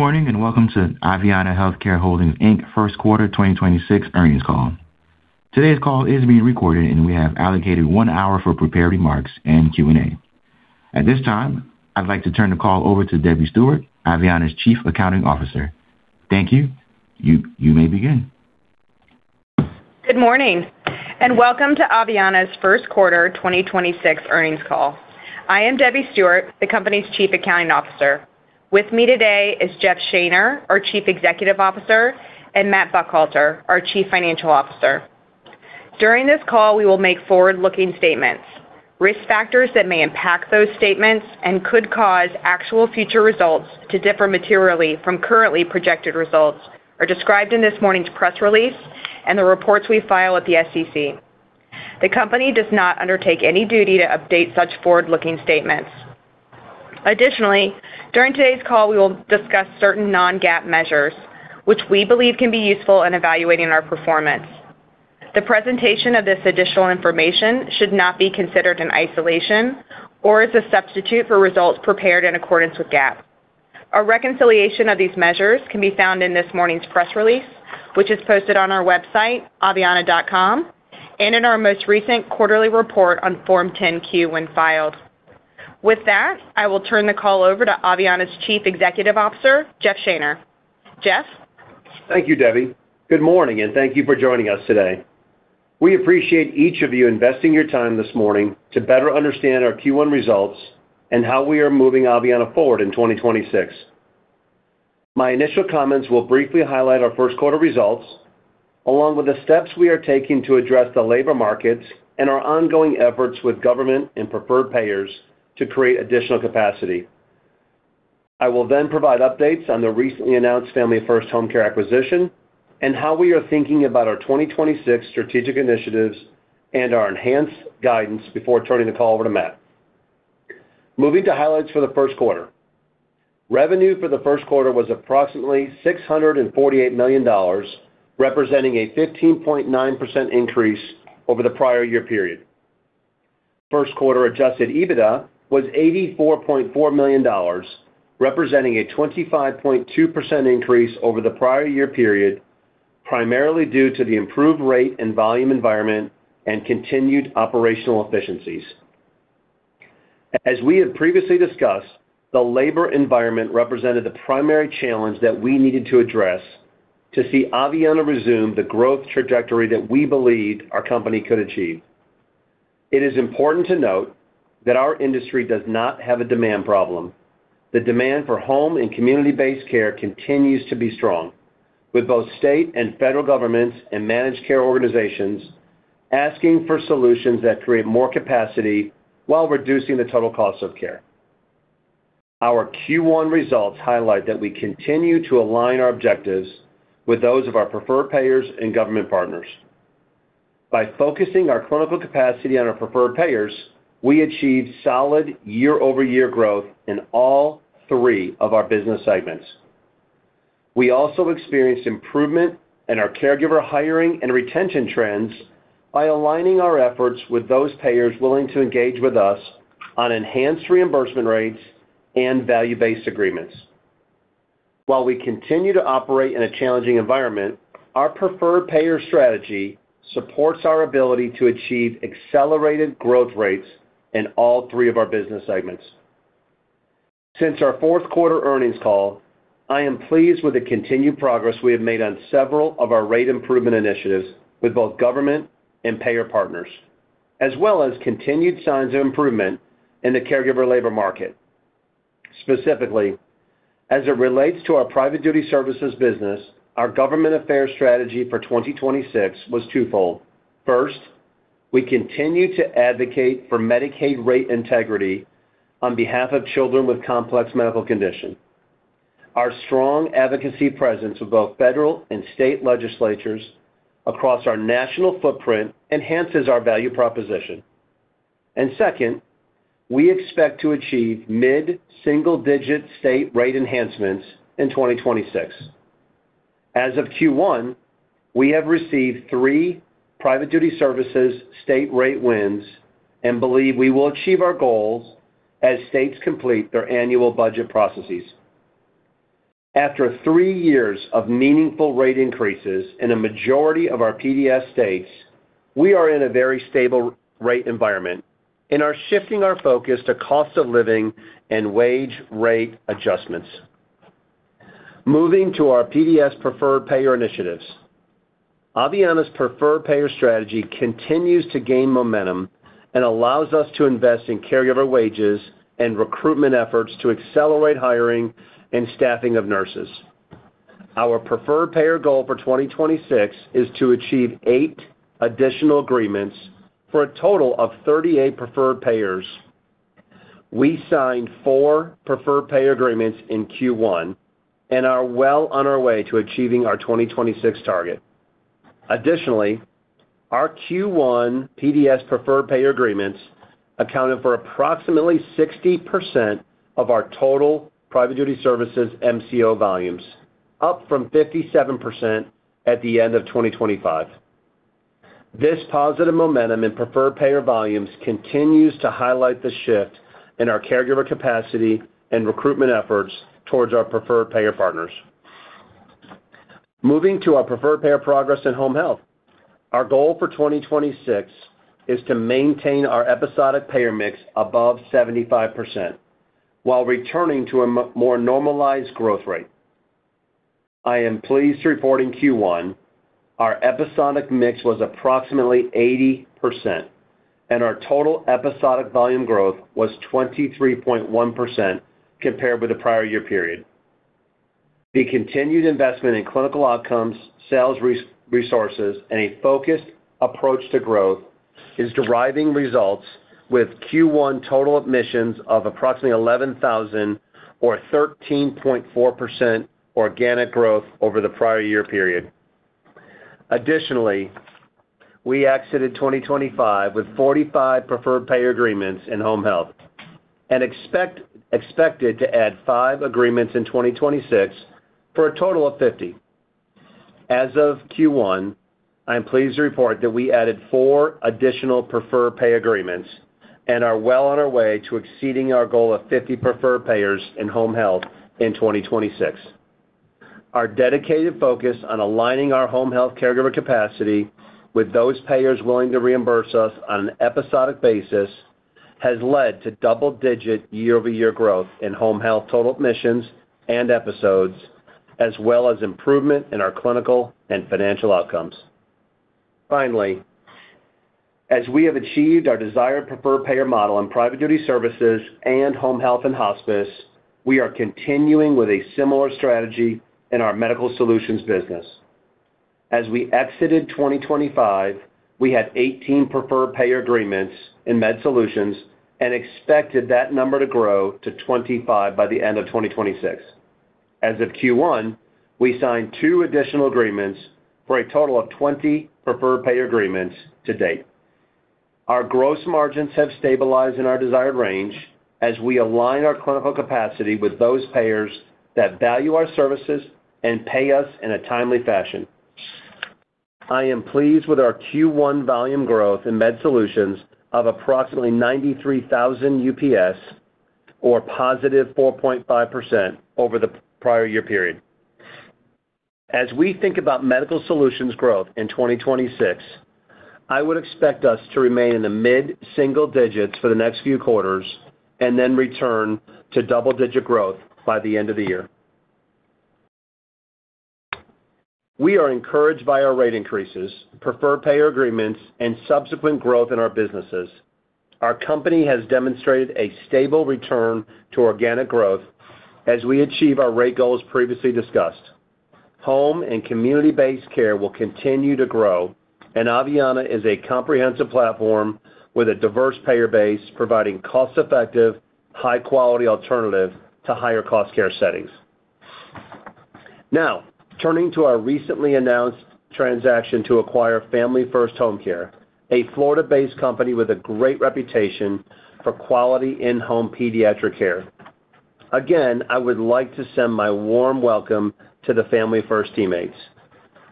Good morning, and welcome to Aveanna Healthcare Holdings Inc. First Quarter 2026 Earnings Call. Today's call is being recorded, and we have allocated one hour for prepared remarks and Q&A. At this time, I'd like to turn the call over to Debbie Stewart, Aveanna's Chief Accounting Officer. Thank you. You may begin. Good morning, welcome to Aveanna's first quarter 2026 earnings call. I am Debbie Stewart, the company's Chief Accounting Officer. With me today is Jeff Shaner, our Chief Executive Officer, and Matt Buckhalter, our Chief Financial Officer. During this call, we will make forward-looking statements. Risk factors that may impact those statements and could cause actual future results to differ materially from currently projected results are described in this morning's press release and the reports we file at the SEC. The company does not undertake any duty to update such forward-looking statements. Additionally, during today's call, we will discuss certain non-GAAP measures which we believe can be useful in evaluating our performance. The presentation of this additional information should not be considered in isolation or as a substitute for results prepared in accordance with GAAP. A reconciliation of these measures can be found in this morning's press release, which is posted on our website, aveanna.com, and in our most recent quarterly report on Form 10-Q when filed. With that, I will turn the call over to Aveanna's Chief Executive Officer, Jeff Shaner. Jeff? Thank you, Debbie. Good morning, and thank you for joining us today. We appreciate each of you investing your time this morning to better understand our Q1 results and how we are moving Aveanna forward in 2026. My initial comments will briefly highlight our first quarter results, along with the steps we are taking to address the labor markets and our ongoing efforts with government and preferred payers to create additional capacity. I will provide updates on the recently announced Family First Homecare acquisition and how we are thinking about our 2026 strategic initiatives and our enhanced guidance before turning the call over to Matt. Moving to highlights for the first quarter. Revenue for the first quarter was approximately $648 million, representing a 15.9% increase over the prior year period. First quarter adjusted EBITDA was $84.4 million, representing a 25.2% increase over the prior year period, primarily due to the improved rate and volume environment and continued operational efficiencies. As we have previously discussed, the labor environment represented the primary challenge that we needed to address to see Aveanna resume the growth trajectory that we believed our company could achieve. It is important to note that our industry does not have a demand problem. The demand for home and community-based care continues to be strong, with both state and federal governments and managed care organizations asking for solutions that create more capacity while reducing the total cost of care. Our Q1 results highlight that we continue to align our objectives with those of our preferred payers and government partners. By focusing our clinical capacity on our preferred payers, we achieved solid year-over-year growth in all three of our business segments. We also experienced improvement in our caregiver hiring and retention trends by aligning our efforts with those payers willing to engage with us on enhanced reimbursement rates and value-based agreements. While we continue to operate in a challenging environment, our preferred payer strategy supports our ability to achieve accelerated growth rates in all three of our business segments. Since our fourth quarter earnings call, I am pleased with the continued progress we have made on several of our rate improvement initiatives with both government and payer partners, as well as continued signs of improvement in the caregiver labor market. Specifically, as it relates to our Private Duty Services business, our government affairs strategy for 2026 was twofold. First, we continue to advocate for Medicaid rate integrity on behalf of children with complex medical conditions. Our strong advocacy presence with both federal and state legislatures across our national footprint enhances our value proposition. Second, we expect to achieve mid-single-digit state rate enhancements in 2026. As of Q1, we have received three Private Duty Services state rate wins and believe we will achieve our goals as states complete their annual budget processes. After three years of meaningful rate increases in a majority of our PDS states, we are in a very stable rate environment and are shifting our focus to cost of living and wage rate adjustments. Moving to our PDS preferred payer initiatives. Aveanna's preferred payer strategy continues to gain momentum and allows us to invest in caregiver wages and recruitment efforts to accelerate hiring and staffing of nurses. Our preferred payer goal for 2026 is to achieve eight additional agreements for a total of 38 preferred payers. We signed four preferred payer agreements in Q1 and are well on our way to achieving our 2026 target. Additionally, our Q1 PDS preferred payer agreements accounted for approximately 60% of our total Private Duty Services MCO volumes, up from 57% at the end of 2025. This positive momentum in preferred payer volumes continues to highlight the shift in our caregiver capacity and recruitment efforts towards our preferred payer partners. Moving to our preferred payer progress in Home Health. Our goal for 2026 is to maintain our episodic payer mix above 75% while returning to a more normalized growth rate. I am pleased to report in Q1, our episodic mix was approximately 80%, and our total episodic volume growth was 23.1% compared with the prior year period. The continued investment in clinical outcomes, sales resources, and a focused approach to growth is deriving results with Q1 total admissions of approximately 11,000 or 13.4% organic growth over the prior year period. We exited 2025 with 45 preferred payer agreements in Home Health and expected to add five agreements in 2026 for a total of 50. As of Q1, I am pleased to report that we added four additional preferred payer agreements and are well on our way to exceeding our goal of 50 preferred payers in Home Health in 2026. Our dedicated focus on aligning our Home Health caregiver capacity with those payers willing to reimburse us on an episodic basis has led to double-digit year-over-year growth in Home Health total admissions and episodes, as well as improvement in our clinical and financial outcomes. Finally, as we have achieved our desired preferred payer model in Private Duty Services and Home Health & Hospice, we are continuing with a similar strategy in our Medical Solutions business. As we exited 2025, we had 18 preferred payer agreements in Med Solutions and expected that number to grow to 25 by the end of 2026. As of Q1, we signed two additional agreements for a total of 20 preferred payer agreements to date. Our gross margins have stabilized in our desired range as we align our clinical capacity with those payers that value our services and pay us in a timely fashion. I am pleased with our Q1 volume growth in Med Solutions of approximately 93,000 UPS or positive 4.5% over the prior year period. We think about Medical Solutions growth in 2026, I would expect us to remain in the mid-single digits for the next few quarters and then return to double-digit growth by the end of the year. We are encouraged by our rate increases, preferred payer agreements, and subsequent growth in our businesses. Our company has demonstrated a stable return to organic growth as we achieve our rate goals previously discussed. Home and community-based care will continue to grow. Aveanna is a comprehensive platform with a diverse payer base providing cost-effective, high-quality alternative to higher-cost care settings. Turning to our recently announced transaction to acquire Family First Homecare, a Florida-based company with a great reputation for quality in-home pediatric care. I would like to send my warm welcome to the Family First teammates.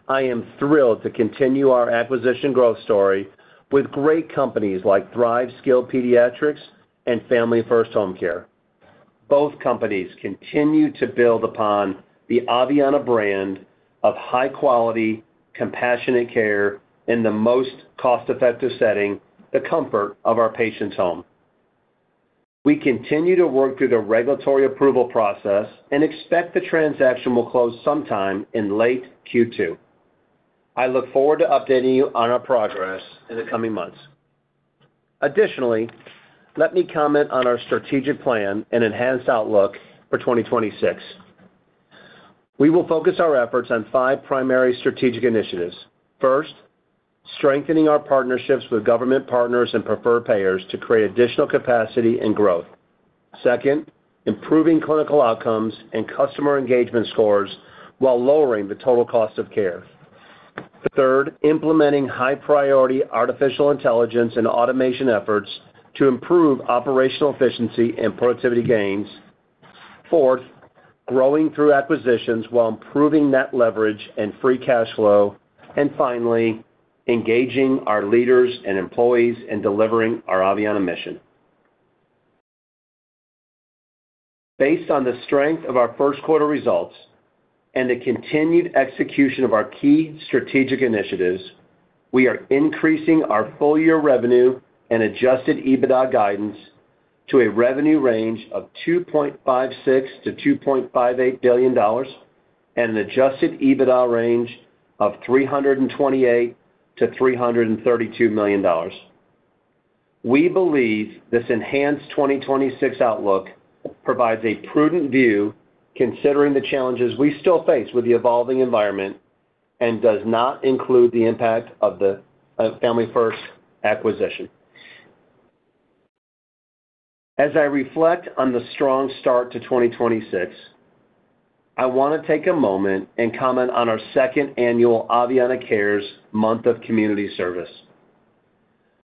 I am thrilled to continue our acquisition growth story with great companies like Thrive Skilled Pediatric Care and Family First Homecare. Both companies continue to build upon the Aveanna brand of high quality, compassionate care in the most cost-effective setting, the comfort of our patient's home. We continue to work through the regulatory approval process and expect the transaction will close sometime in late Q2. I look forward to updating you on our progress in the coming months. Let me comment on our strategic plan and enhanced outlook for 2026. We will focus our efforts on 5 primary strategic initiatives. First, strengthening our partnerships with government partners and preferred payers to create additional capacity and growth. Second, improving clinical outcomes and customer engagement scores while lowering the total cost of care. Third, implementing high-priority artificial intelligence and automation efforts to improve operational efficiency and productivity gains. Fourth, growing through acquisitions while improving net leverage and free cash flow. Finally, engaging our leaders and employees in delivering our Aveanna mission. Based on the strength of our first quarter results and the continued execution of our key strategic initiatives, we are increasing our full year revenue and adjusted EBITDA guidance to a revenue range of $2.56 billion-$2.58 billion and an adjusted EBITDA range of $328 million-$332 million. We believe this enhanced 2026 outlook provides a prudent view considering the challenges we still face with the evolving environment and does not include the impact of Family First acquisition. As I reflect on the strong start to 2026, I want to take a moment and comment on our second annual Aveanna Cares Month of Community Service.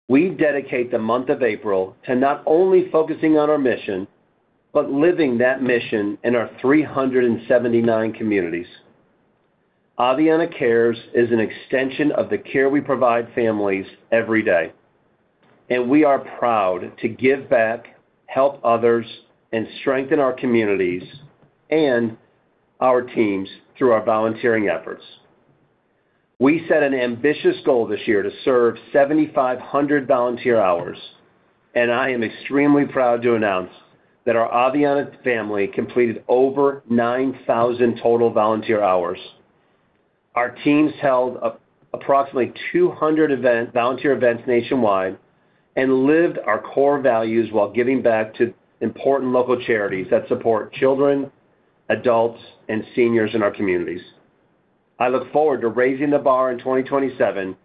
We dedicate the month of April to not only focusing on our mission, but living that mission in our 379 communities. Aveanna Cares is an extension of the care we provide families every day, we are proud to give back, help others, and strengthen our communities and our teams through our volunteering efforts. We set an ambitious goal this year to serve 7,500 volunteer hours, I am extremely proud to announce that our Aveanna family completed over 9,000 total volunteer hours. Our teams held approximately 200 event, volunteer events nationwide and lived our core values while giving back to important local charities that support children, adults, and seniors in our communities. I look forward to raising the bar in 2027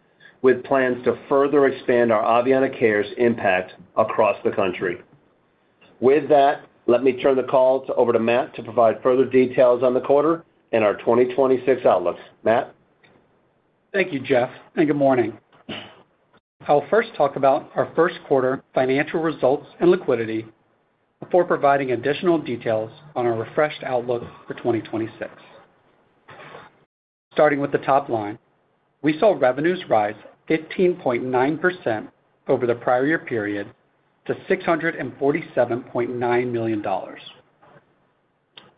with plans to further expand our Aveanna Cares impact across the country. With that, let me turn the call over to Matt to provide further details on the quarter and our 2026 outlooks. Matt? Thank you, Jeff, and good morning. I'll first talk about our first quarter financial results and liquidity before providing additional details on our refreshed outlook for 2026. Starting with the top line, we saw revenues rise 15.9% over the prior year period to $647.9 million.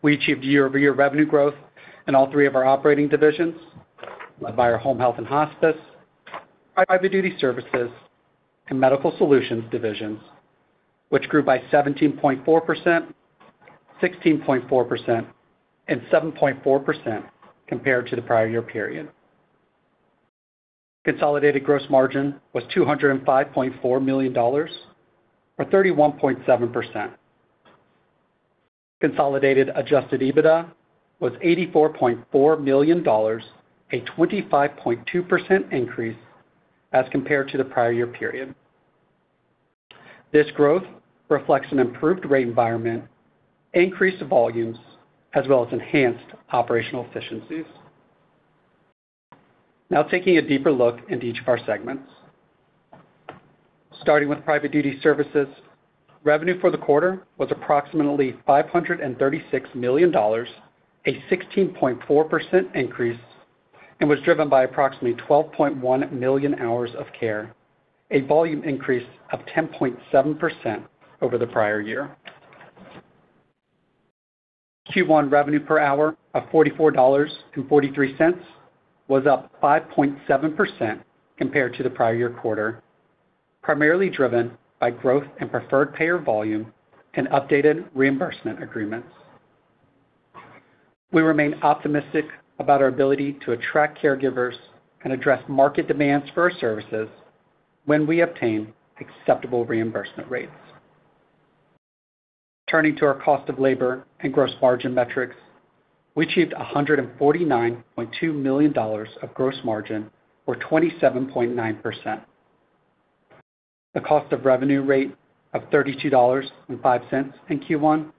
We achieved year-over-year revenue growth in all three of our operating divisions by our Home Health & Hospice, by the Private Duty Services, and Medical Solutions divisions, which grew by 17.4%, 16.4%, and 7.4% compared to the prior year period. Consolidated gross margin was $205.4 million, or 31.7%. Consolidated adjusted EBITDA was $84.4 million, a 25.2% increase as compared to the prior year period. This growth reflects an improved rate environment, increased volumes, as well as enhanced operational efficiencies. Taking a deeper look into each of our segments. Starting with Private Duty Services, revenue for the quarter was approximately $536 million, a 16.4% increase, was driven by approximately 12.1 million hours of care, a volume increase of 10.7% over the prior year. Q1 revenue per hour of $44.43 was up 5.7% compared to the prior year quarter, primarily driven by growth in preferred payer volume and updated reimbursement agreements. We remain optimistic about our ability to attract caregivers and address market demands for our services when we obtain acceptable reimbursement rates. Turning to our cost of labor and gross margin metrics, we achieved $149.2 million of gross margin, or 27.9%. The cost of revenue rate of $32.05 in Q1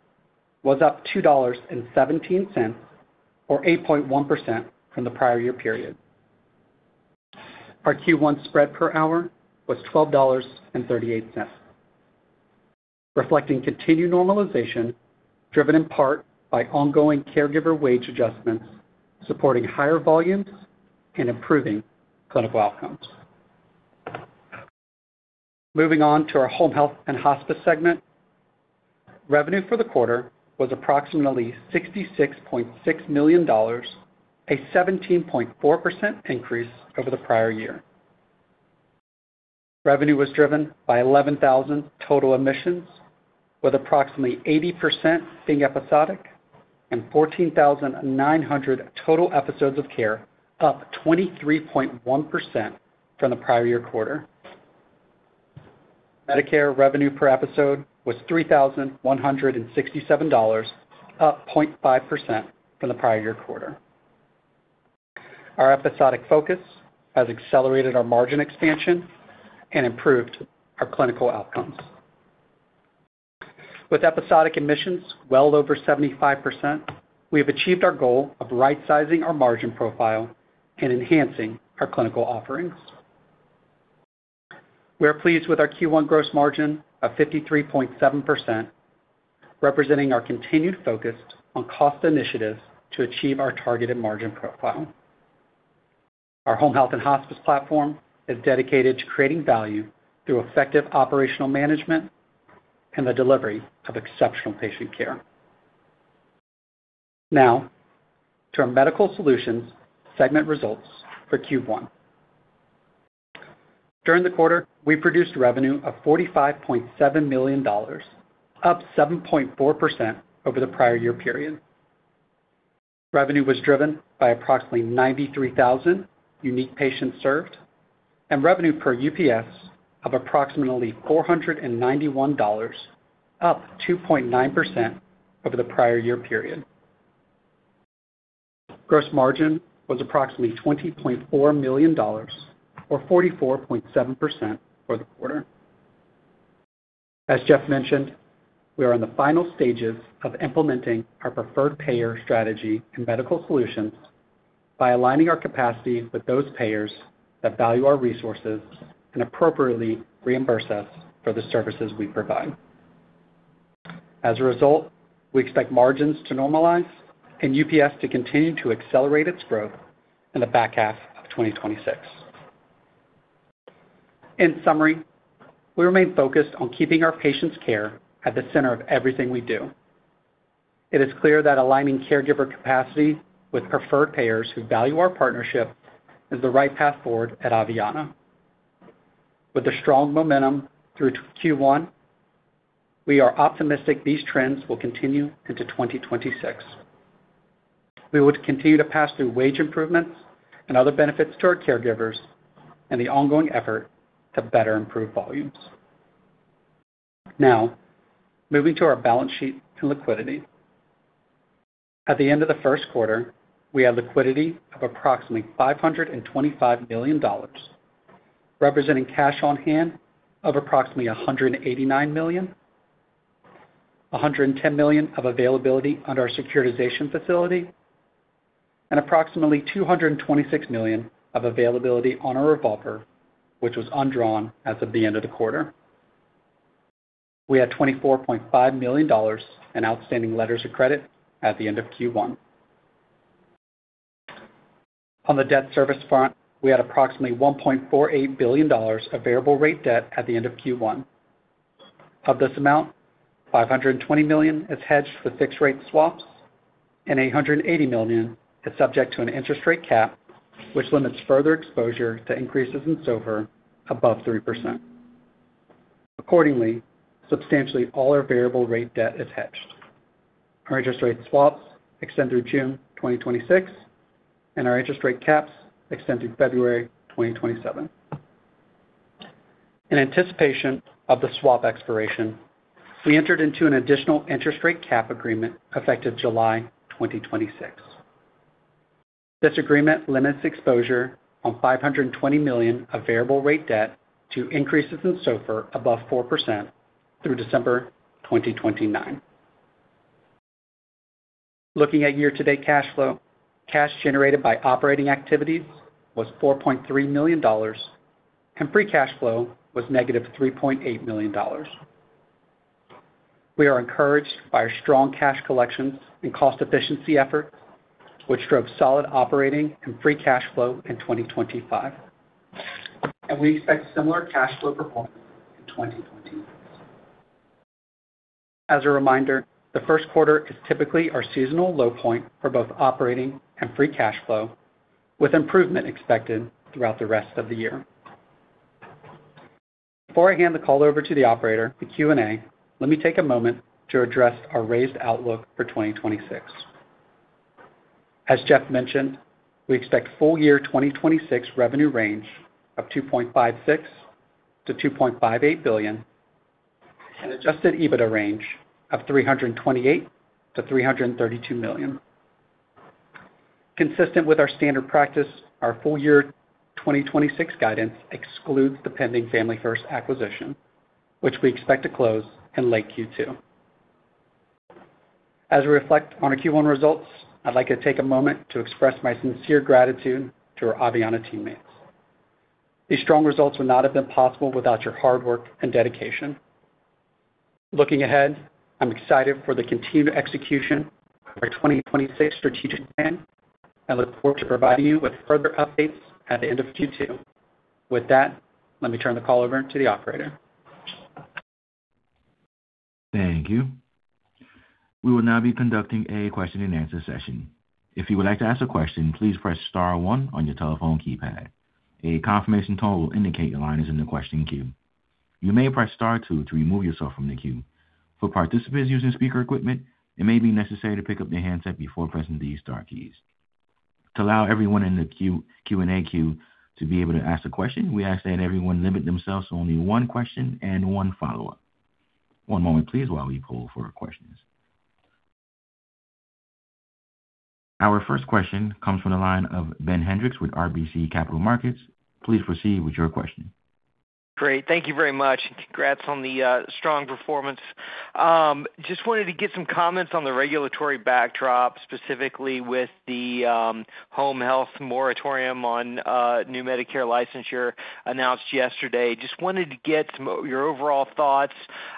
was up $2.17, or 8.1% from the prior year period. Our Q1 spread per hour was $12.38, reflecting continued normalization driven in part by ongoing caregiver wage adjustments, supporting higher volumes and improving clinical outcomes. Moving on to our Home Health & Hospice segment. Revenue for the quarter was approximately $66.6 million, a 17.4% increase over the prior year. Revenue was driven by 11,000 total admissions, with approximately 80% being episodic and 14,900 total episodes of care, up 23.1% from the prior year quarter. Medicare revenue per episode was $3,167, up 0.5% from the prior year quarter. Our episodic focus has accelerated our margin expansion and improved our clinical outcomes. With episodic admissions well over 75%, we have achieved our goal of rightsizing our margin profile and enhancing our clinical offerings. We are pleased with our Q1 gross margin of 53.7%, representing our continued focus on cost initiatives to achieve our targeted margin profile. Our Home Health & Hospice platform is dedicated to creating value through effective operational management and the delivery of exceptional patient care. Now, to our Medical Solutions segment results for Q1. During the quarter, we produced revenue of $45.7 million, up 7.4% over the prior year period. Revenue was driven by approximately 93,000 unique patients served, and revenue per UPS of approximately $491, up 2.9% over the prior year period. Gross margin was approximately $20.4 million, or 44.7% for the quarter. As Jeff mentioned, we are in the final stages of implementing our preferred payer strategy in Medical Solutions by aligning our capacity with those payers that value our resources and appropriately reimburse us for the services we provide. As a result, we expect margins to normalize and UPS to continue to accelerate its growth in the back half of 2026. In summary, we remain focused on keeping our patients' care at the center of everything we do. It is clear that aligning caregiver capacity with preferred payers who value our partnership is the right path forward at Aveanna. With the strong momentum through Q1, we are optimistic these trends will continue into 2026. We would continue to pass through wage improvements and other benefits to our caregivers and the ongoing effort to better improve volumes. Moving to our balance sheet and liquidity. At the end of the first quarter, we had liquidity of approximately $525 million, representing cash on hand of approximately $189 million, $110 million of availability under our securitization facility, and approximately $226 million of availability on our revolver, which was undrawn as of the end of the quarter. We had $24.5 million in outstanding letters of credit at the end of Q1. On the debt service front, we had approximately $1.48 billion of variable rate debt at the end of Q1. Of this amount, $520 million is hedged with fixed rate swaps and $880 million is subject to an interest rate cap, which limits further exposure to increases in SOFR above 3%. Accordingly, substantially all our variable rate debt is hedged. Our interest rate swaps extend through June 2026, and our interest rate caps extend through February 2027. In anticipation of the swap expiration, we entered into an additional interest rate cap agreement effective July 2026. This agreement limits exposure on $520 million of variable rate debt to increases in SOFR above 4% through December 2029. Looking at year-to-date cash flow, cash generated by operating activities was $4.3 million, and free cash flow was -$3.8 million. We are encouraged by our strong cash collections and cost efficiency efforts, which drove solid operating and free cash flow in 2025. We expect similar cash flow performance in 2026. As a reminder, the first quarter is typically our seasonal low point for both operating and free cash flow, with improvement expected throughout the rest of the year. Before I hand the call over to the operator for Q&A, let me take a moment to address our raised outlook for 2026. As Jeff mentioned, we expect full year 2026 revenue range of $2.56 billion-$2.58 billion and adjusted EBITDA range of $328 million-$332 million. Consistent with our standard practice, our full year 2026 guidance excludes the pending Family First acquisition, which we expect to close in late Q2. As we reflect on our Q1 results, I'd like to take a moment to express my sincere gratitude to our Aveanna teammates. These strong results would not have been possible without your hard work and dedication. Looking ahead, I'm excited for the continued execution of our 2026 strategic plan and look forward to providing you with further updates at the end of Q2. With that, let me turn the call over to the operator. Thank you. We will now be conducting a question-and-answer session. If you would like to ask a question, please press star one on your telephone keypad. A confirmation tone will indicate your line is in the question queue. You may press star two to remove yourself from the queue. For participants using speaker equipment, it may be necessary to pick up your handset before pressing these star keys. To allow everyone in the Q&A queue to be able to ask a question, we ask that everyone limit themselves to only one question and one follow-up. One moment, please, while we poll for questions. Our first question comes from the line of Ben Hendrix with RBC Capital Markets. Please proceed with your question. Great. Thank you very much, and congrats on the strong performance. Just wanted to get some comments on the regulatory backdrop, specifically with the Home Health moratorium on new Medicare licensure announced yesterday. Just wanted to get some of your overall thoughts,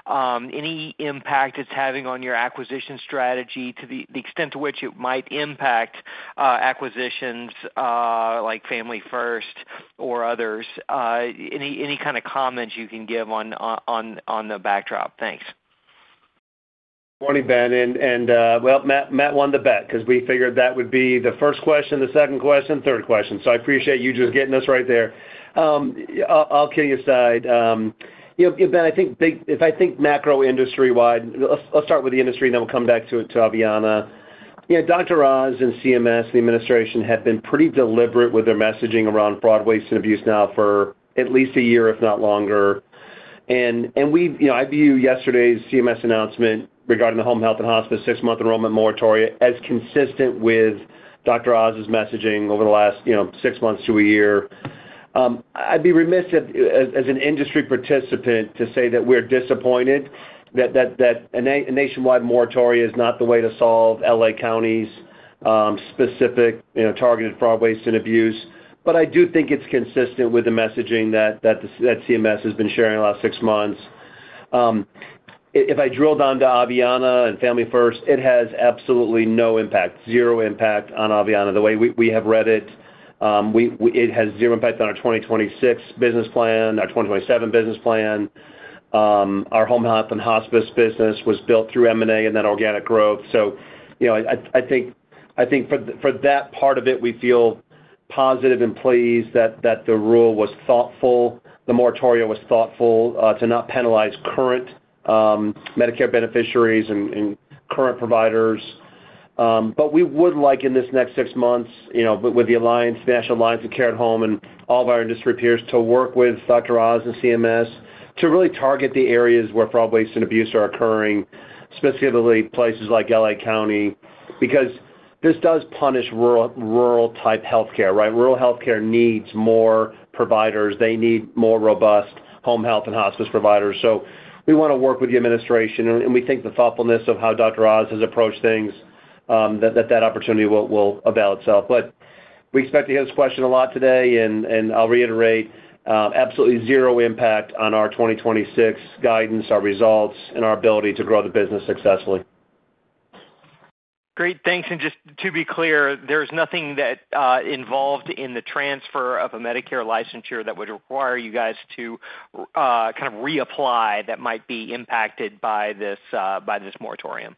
any impact it's having on your acquisition strategy to the extent to which it might impact acquisitions like Family First or others. Any kind of comments you can give on the backdrop? Thanks. Morning, Ben, and well, Matt won the bet because we figured that would be the first question, the second question, third question. I appreciate you just getting us right there. [All kidding aside] You know, Ben, I think if I think macro industry-wide, let's start with the industry, and then we'll come back to Aveanna. You know, Dr. Oz and CMS, the administration, have been pretty deliberate with their messaging around fraud, waste, and abuse now for at least one year, if not longer. We, you know, I view yesterday's CMS announcement regarding the Home Health & Hospice six-month enrollment moratorium as consistent with Dr. Oz's messaging over the last, you know, six months to one year. I'd be remiss if, as an industry participant to say that we're disappointed that a nationwide moratorium is not the way to solve L.A. County's specific, you know, targeted fraud, waste, and abuse. I do think it's consistent with the messaging that CMS has been sharing the last six months. If I drill down to Aveanna and Family First, it has absolutely no impact, zero impact on Aveanna. The way we have read it has zero impact on our 2026 business plan, our 2027 business plan. Our Home Health & Hospice business was built through M&A and then organic growth. You know, for that part of it, we feel positive and pleased that the rule was thoughtful, the moratorium was thoughtful, to not penalize current Medicare beneficiaries and current providers. We would like in this next six months, you know, with the National Alliance for Care at Home and all of our industry peers to work with Dr. Oz and CMS to really target the areas where fraud, waste, and abuse are occurring, specifically places like L.A. County, because this does punish rural type healthcare, right? Rural healthcare needs more providers. They need more robust Home Health & Hospice providers. We want to work with the administration, and we think the thoughtfulness of how Dr. Oz has approached things, that opportunity will avail itself. We expect to hear this question a lot today, and I'll reiterate, absolutely zero impact on our 2026 guidance, our results, and our ability to grow the business successfully. Great. Thanks. Just to be clear, there's nothing that involved in the transfer of a Medicare licensure that would require you guys to kind of reapply that might be impacted by this by this moratorium.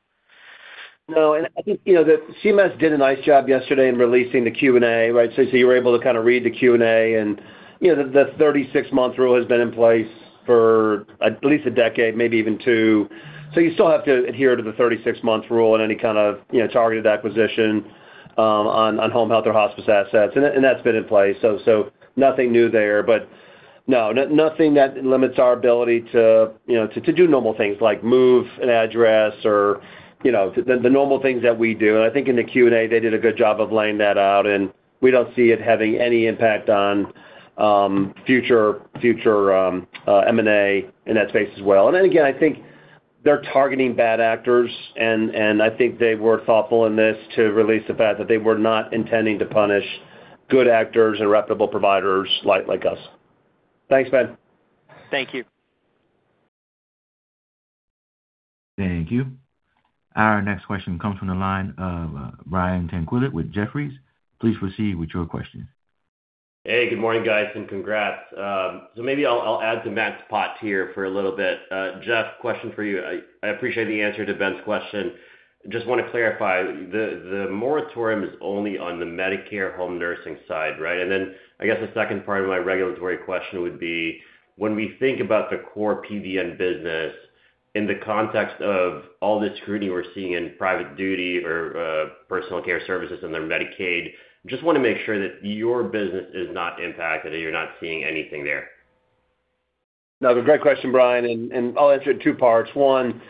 No. I think, you know, the CMS did a nice job yesterday in releasing the Q&A, right. You were able to kind of read the Q&A and, you know, the 36-month rule has been in place for at least a decade, maybe even two. You still have to adhere to the 36-month rule in any kind of, you know, targeted acquisition on Home Health or Hospice assets, and that's been in place. Nothing new there. No, nothing that limits our ability to, you know, to do normal things like move an address or, you know, the normal things that we do. I think in the Q&A, they did a good job of laying that out, and we don't see it having any impact on future M&A in that space as well. Then again, I think they're targeting bad actors, and I think they were thoughtful in this to release the fact that they were not intending to punish good actors and reputable providers like us. Thanks, Ben. Thank you. Thank you. Our next question comes from the line of Brian Tanquilut with Jefferies. Please proceed with your question. Hey, good morning, guys, and congrats. Maybe I'll add to Matt's pot here for a little bit. Jeff, question for you. I appreciate the answer to Ben's question. Just want to clarify, the moratorium is only on the Medicare home nursing side, right? Then I guess the second part of my regulatory question would be, when we think about the core PDN business in the context of all the scrutiny we're seeing in private duty or, personal care services and their Medicaid, just want to make sure that your business is not impacted and you're not seeing anything there. No, great question, Brian, I'll answer it in two parts. One,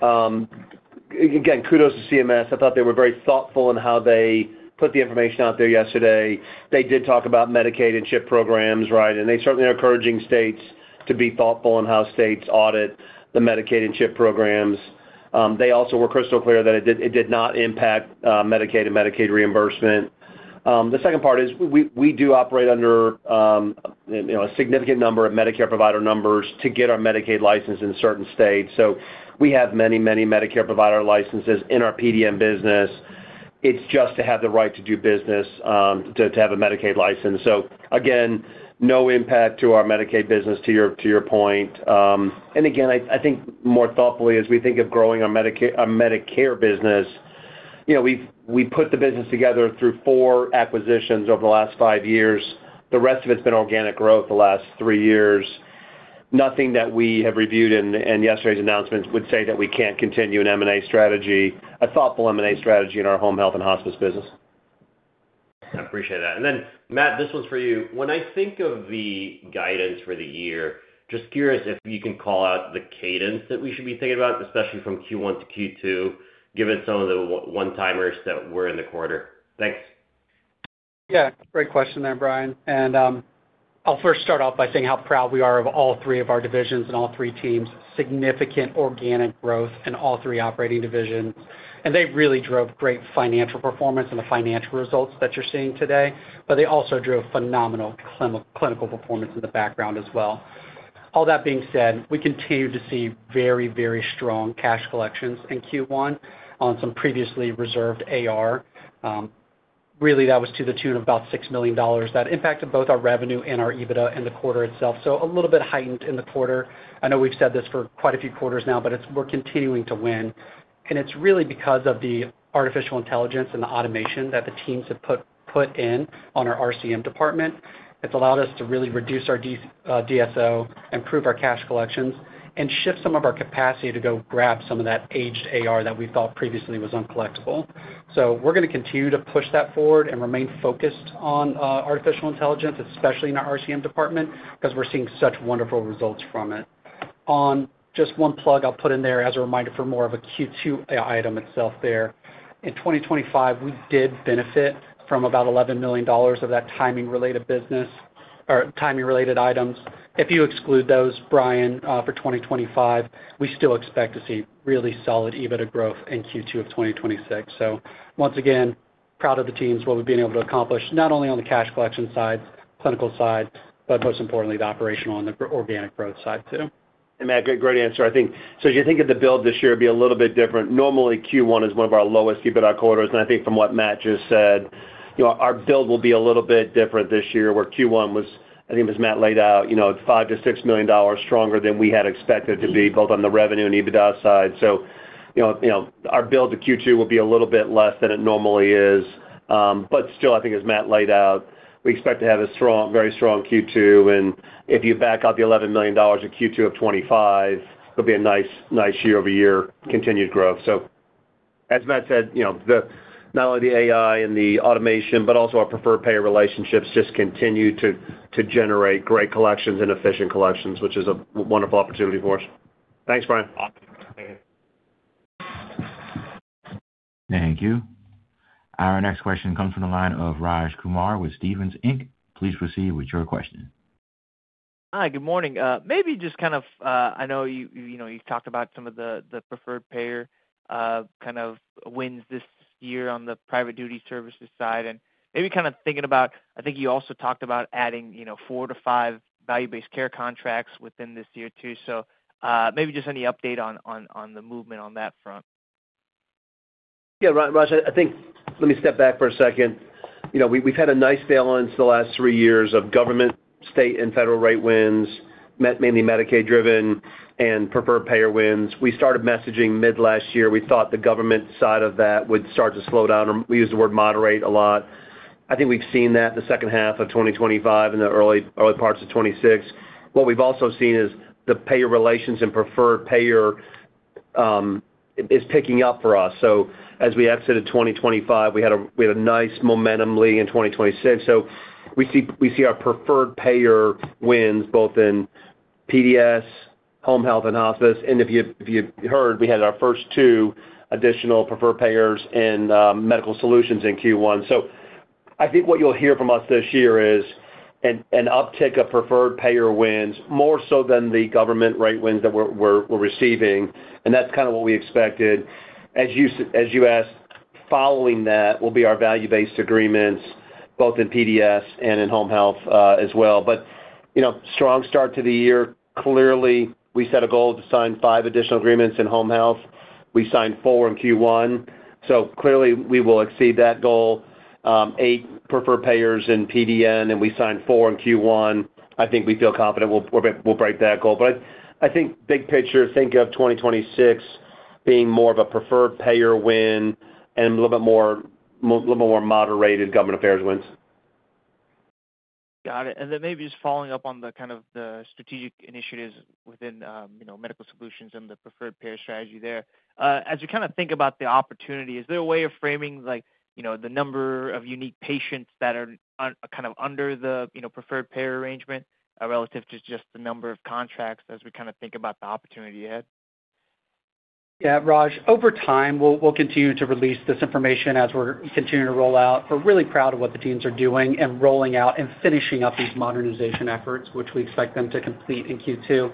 again, kudos to CMS. I thought they were very thoughtful in how they put the information out there yesterday. They did talk about Medicaid and CHIP programs, right? They certainly are encouraging states to be thoughtful in how states audit the Medicaid and CHIP programs. They also were crystal clear that it did not impact Medicaid and Medicaid reimbursement. The second part is we do operate under, you know, a significant number of Medicare provider numbers to get our Medicaid license in certain states. We have many Medicare provider licenses in our PDN business. It's just to have the right to do business to have a Medicaid license. Again, no impact to our Medicaid business, to your point. Again, I think more thoughtfully as we think of growing our Medicare business, you know, we put the business together through four acquisitions over the last five years. The rest of it's been organic growth the last three years. Nothing that we have reviewed in yesterday's announcements would say that we can't continue an M&A strategy, a thoughtful M&A strategy in our Home Health & Hospice business. I appreciate that. Matt, this one's for you. When I think of the guidance for the year, just curious if you can call out the cadence that we should be thinking about, especially from Q1 to Q2, given some of the one-timers that were in the quarter. Thanks. Yeah, great question there, Brian. I'll first start off by saying how proud we are of all three of our divisions and all three teams. Significant organic growth in all three operating divisions. They really drove great financial performance and the financial results that you're seeing today, but they also drove phenomenal clinical performance in the background as well. All that being said, we continue to see very, very strong cash collections in Q1 on some previously reserved AR. Really that was to the tune of about $6 million. That impacted both our revenue and our EBITDA in the quarter itself, so a little bit heightened in the quarter. I know we've said this for quite a few quarters now, but we're continuing to win. It's really because of the artificial intelligence and the automation that the teams have put in on our RCM department. It's allowed us to really reduce our DSO, improve our cash collections, and shift some of our capacity to go grab some of that aged AR that we thought previously was uncollectible. We're going to continue to push that forward and remain focused on artificial intelligence, especially in our RCM department, because we're seeing such wonderful results from it. Just one plug I'll put in there as a reminder for more of a Q2 item itself there. In 2025, we did benefit from about $11 million of that timing related business or timing related items. If you exclude those, Brian, for 2025, we still expect to see really solid EBITDA growth in Q2 of 2026. Once again, proud of the teams, what we've been able to accomplish, not only on the cash collection side, clinical side, but most importantly, the operational and the organic growth side too. Matt, great answer. I think, as you think of the build this year be a little bit different. Normally, Q1 is one of our lowest EBITDA quarters. I think from what Matt just said, you know, our build will be a little bit different this year where Q1 was, I think as Matt laid out, you know, $5 million-$6 million stronger than we had expected to be both on the revenue and EBITDA side. You know, our build to Q2 will be a little bit less than it normally is. Still, I think as Matt laid out, we expect to have a strong, very strong Q2, if you back out the $11 million in Q2 of 2025, it'll be a nice year-over-year continued growth. As Matt said, you know, not only the AI and the automation, but also our preferred payer relationships just continue to generate great collections and efficient collections, which is a wonderful opportunity for us. Thanks, Brian Tanquilut. Thank you. Our next question comes from the line of Raj Kumar with Stephens Inc. Please proceed with your question. Hi, good morning. Maybe just kind of, I know you know, you've talked about some of the preferred payer, kind of wins this year on the Private Duty Services side and maybe kind of thinking about, I think you also talked about adding, you know, four to five value-based care contracts within this year too. Maybe just any update on the movement on that front. Yeah, Raj, I think let me step back for a second. You know, we've had a nice tailwind for the last three years of government, state, and federal rate wins, mainly Medicaid driven and preferred payer wins. We started messaging mid last year. We thought the government side of that would start to slow down, or we use the word moderate a lot. I think we've seen that in the second half of 2025 and the early parts of 2026. What we've also seen is the payer relations and preferred payer is picking up for us. As we exited 2025, we had a nice momentum lead in 2026. We see our preferred payer wins both in PDS, Home Health & Hospice. If you heard, we had our first two additional preferred payers in Medical Solutions in Q1. I think what you'll hear from us this year is an uptick of preferred payer wins, more so than the government rate wins that we're receiving. That's kind of what we expected. As you asked, following that will be our value-based agreements, both in PDS and in Home Health as well. You know, strong start to the year. Clearly, we set a goal to sign five additional agreements in Home Health. We signed four in Q1, clearly we will exceed that goal. Eight preferred payers in PDN, and we signed four in Q1. I think we feel confident we'll break that goal. I think big picture, think of 2026 being more of a preferred payer win and a little more moderated government affairs wins. Got it. Maybe just following up on the kind of the strategic initiatives within, you know, Medical Solutions and the preferred payer strategy there. As you kind of think about the opportunity, is there a way of framing like, you know, the number of unique patients that are kind of under the, you know, preferred payer arrangement, relative to just the number of contracts as we kind of think about the opportunity ahead? Yeah, Raj, over time, we'll continue to release this information as we're continuing to roll out. We're really proud of what the teams are doing and rolling out and finishing up these modernization efforts, which we expect them to complete in Q2.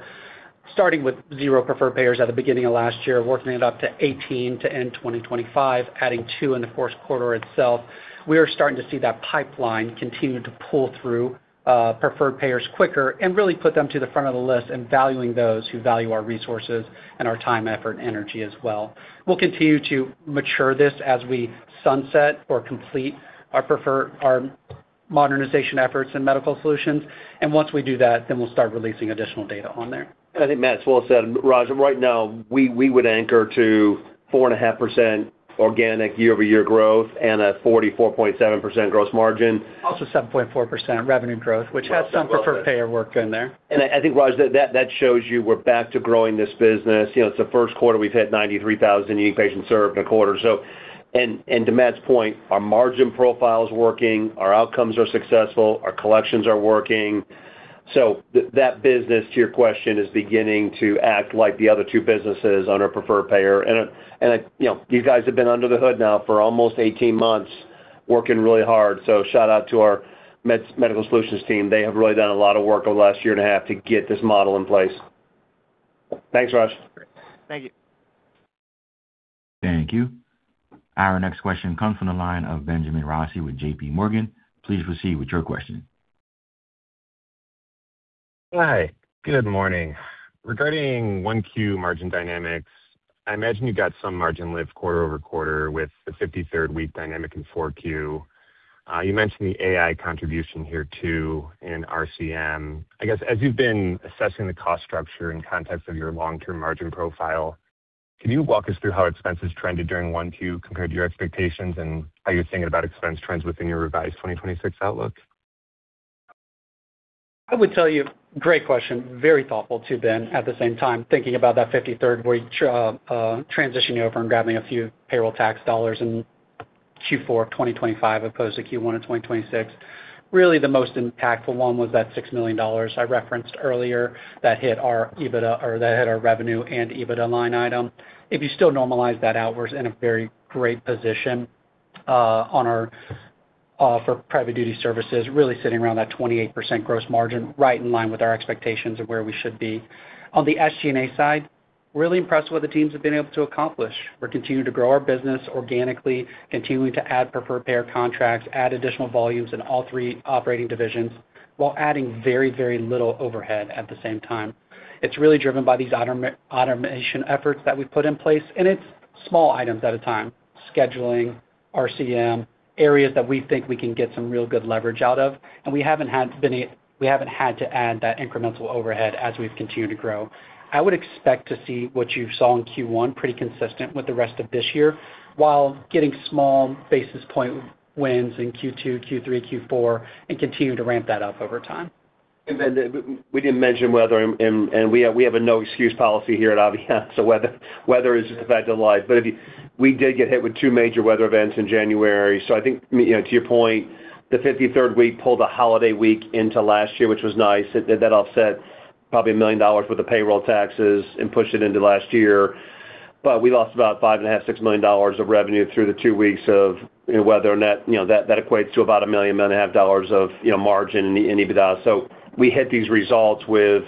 Starting with zero preferred payers at the beginning of last year, working it up to 18 to end 2025, adding two in the fourth quarter itself. We are starting to see that pipeline continue to pull through preferred payers quicker and really put them to the front of the list and valuing those who value our resources and our time, effort, and energy as well. We'll continue to mature this as we sunset or complete our modernization efforts in Medical Solutions. Once we do that, then we'll start releasing additional data on there. I think Matt, it's well said. Raj, right now, we would anchor to 4.5% organic year-over-year growth and a 44.7% gross margin. 7.4% revenue growth, which has some preferred payer work in there. I think, Raj, that shows you we're back to growing this business. You know, it's the first quarter we've hit 93,000 unique patients served in a quarter. To Matt's point, our margin profile is working, our outcomes are successful, our collections are working. That business, to your question, is beginning to act like the other two businesses on our preferred payer. You know, you guys have been under the hood now for almost 18 months working really hard. Shout out to our Med Solutions team. They have really done a lot of work over the last 1.5 year to get this model in place. Thanks, Raj. Thank you. Thank you. Our next question comes from the line of Benjamin Rossi with JPMorgan. Please proceed with your question. Hi, good morning. Regarding 1Q margin dynamics, I imagine you got some margin lift quarter-over-quarter with the 53rd week dynamic in 4Q. You mentioned the AI contribution here too in RCM. I guess, as you've been assessing the cost structure in context of your long-term margin profile, can you walk us through how expenses trended during 1Q compared to your expectations and how you're thinking about expense trends within your revised 2026 outlook? I would tell you, great question, very thoughtful too, Ben. At the same time, thinking about that 53rd week transitioning over and grabbing a few payroll tax dollars in Q4 2025 opposed to Q1 2026. Really the most impactful one was that $6 million I referenced earlier that hit our EBITDA or that hit our revenue and EBITDA line item. If you still normalize that out, we're in a very great position for Private Duty Services, really sitting around that 28% gross margin, right in line with our expectations of where we should be. On the SG&A side, really impressed with what the teams have been able to accomplish. We're continuing to grow our business organically, continuing to add preferred payer contracts, add additional volumes in all three operating divisions while adding very, very little overhead at the same time. It's really driven by these automation efforts that we've put in place. It's small items at a time. Scheduling, RCM, areas that we think we can get some real good leverage out of. We haven't had to add that incremental overhead as we've continued to grow. I would expect to see what you saw in Q1 pretty consistent with the rest of this year while getting small basis point wins in Q2, Q3, Q4, and continue to ramp that up over time. We didn't mention weather, and we have a no excuse policy here at Aveanna, so weather is a fact of life. We did get hit with two major weather events in January. I think, you know, to your point, the 53rd week pulled a holiday week into last year, which was nice. That offset probably $1 million worth of payroll taxes and pushed it into last year. We lost about $5.5 million, $6 million of revenue through the two weeks of weather, and that, you know, that equates to about $1.5 million of, you know, margin in EBITDA. We hit these results with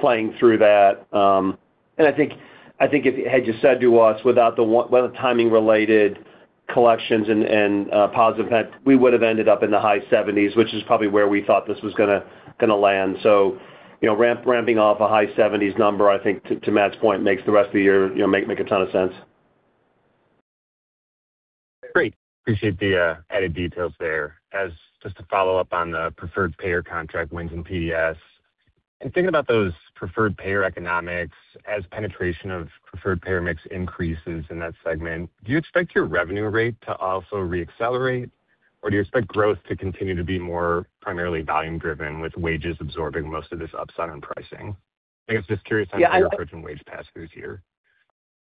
playing through that. I think if had you said to us without the weather timing related collections and positive events, we would have ended up in the high 70s, which is probably where we thought this was going to land. You know, ramping off a high 70s number, I think, to Matt's point, makes the rest of the year, you know, make a ton of sense. Great. Appreciate the added details there. Just a follow-up on the preferred payer contract wins in PDS, and thinking about those preferred payer economics, as penetration of preferred payer mix increases in that segment, do you expect your revenue rate to also re-accelerate, or do you expect growth to continue to be more primarily volume driven with wages absorbing most of this upside on pricing? I guess just curious how you're approaching wage pass-throughs here.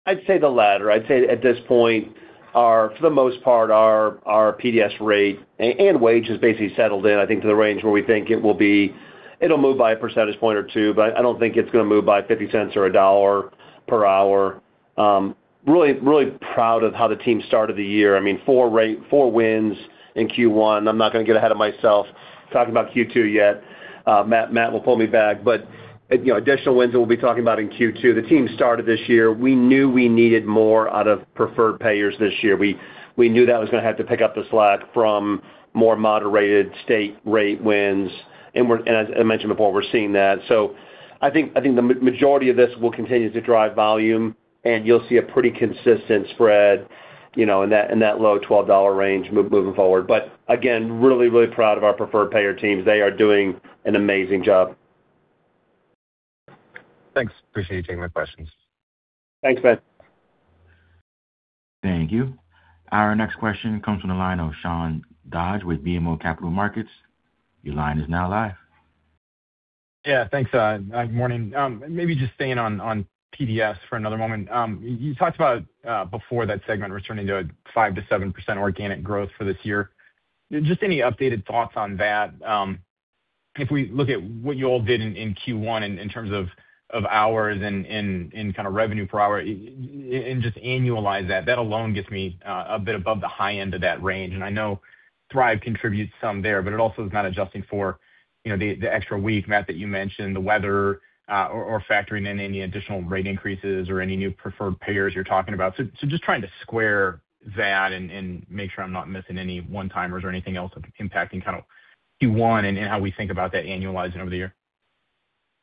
I'd say the latter. I'd say at this point, for the most part, our PDS rate and wage has basically settled in, I think, to the range where we think it will be. It'll move by a percentage point or two, but I don't think it's going to move by $0.50 or $1 per hour. Really proud of how the team started the year. I mean, four wins in Q1. I'm not going to get ahead of myself talking about Q2 yet. Matt will pull me back. You know, additional wins that we'll be talking about in Q2. The team started this year. We knew we needed more out of preferred payers this year. We knew that was going to have to pick up the slack from more moderated state rate wins. As I mentioned before, we're seeing that. I think the majority of this will continue to drive volume, and you'll see a pretty consistent spread, you know, in that, in that low $12 range moving forward. Again, really, really proud of our preferred payer teams. They are doing an amazing job. Thanks. Appreciate you taking my questions. Thanks, Ben. Thank you. Our next question comes from the line of Sean Dodge with BMO Capital Markets. Your line is now live. Yeah, thanks. Morning. Maybe just staying on PDS for another moment. You talked about before that segment returning to a 5%-7% organic growth for this year. Just any updated thoughts on that? If we look at what you all did in Q1 in terms of hours and kind of revenue per hour and just annualize that alone gets me a bit above the high end of that range. I know Thrive contributes some there, but it also is not adjusting for, you know, the extra week, Matt, that you mentioned, the weather, or factoring in any additional rate increases or any new preferred payers you're talking about. Just trying to square that and make sure I'm not missing any one-timers or anything else impacting kind of Q1 and how we think about that annualizing over the year.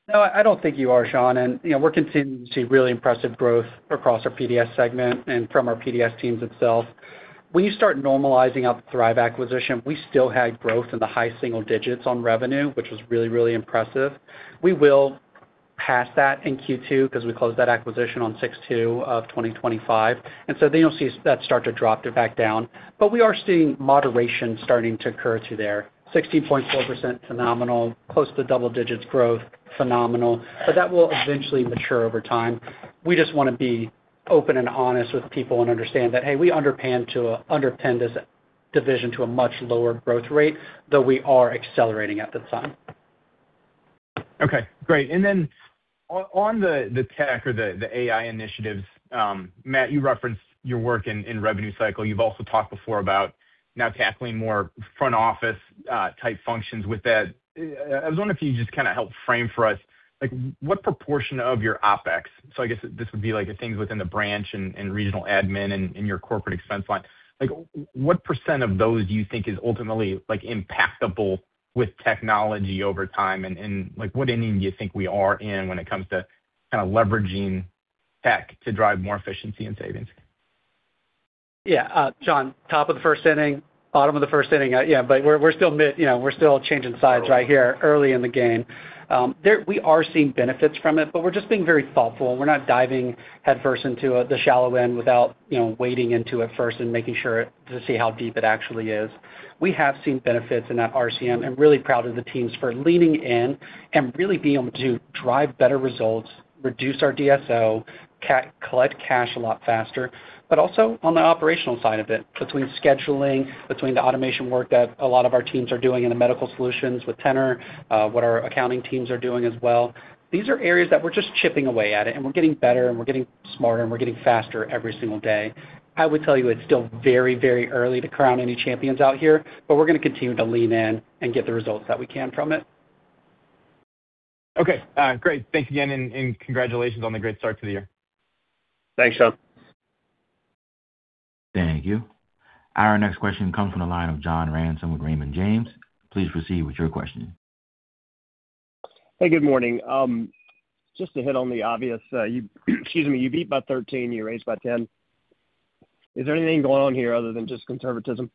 No, I don't think you are, Sean. You know, we're continuing to see really impressive growth across our PDS segment and from our PDS teams itself. When you start normalizing out the Thrive acquisition, we still had growth in the high single digits on revenue, which was really, really impressive. We will pass that in Q2 because we closed that acquisition on 6/2/2025, you'll see that start to drop back down. We are seeing moderation starting to occur through there. 60.4%, phenomenal. Close to double digits growth, phenomenal. That will eventually mature over time. We just want to be open and honest with people and understand that, hey, we underpinned this division to a much lower growth rate, though we are accelerating at the time. Okay, great. On the tech or the AI initiatives, Matt, you referenced your work in revenue cycle. You've also talked before about now tackling more front office type functions with that. I was wondering if you just kind of help frame for us, like what proportion of your OpEx, so I guess this would be like the things within the branch and regional admin and your corporate expense line. Like, what percent of those do you think is ultimately like impactable with technology over time? Like what inning do you think we are in when it comes to kind of leveraging tech to drive more efficiency and savings? Yeah. Sean, top of the first inning, bottom of the first inning. Yeah, but we're still, you know, we're still changing sides right here early in the game. We are seeing benefits from it, but we're just being very thoughtful. We're not diving headfirst into the shallow end without, you know, wading into it first and making sure to see how deep it actually is. We have seen benefits in that RCM. I'm really proud of the teams for leaning in and really being able to drive better results, reduce our DSO, collect cash a lot faster. Also on the operational side of it, between scheduling, between the automation work that a lot of our teams are doing in the Medical Solutions with Tennr, what our accounting teams are doing as well. These are areas that we're just chipping away at it, and we're getting better, and we're getting smarter, and we're getting faster every single day. I would tell you it's still very, very early to crown any champions out here, but we're going to continue to lean in and get the results that we can from it. Okay. Great. Thanks again, and congratulations on the great start to the year. Thanks, Sean. Thank you. Our next question comes from the line of John Ransom with Raymond James. Please proceed with your question. Hey, good morning. Just to hit on the obvious, you beat by $13 million, you raised by $10 million. Is there anything going on here other than just conservatism?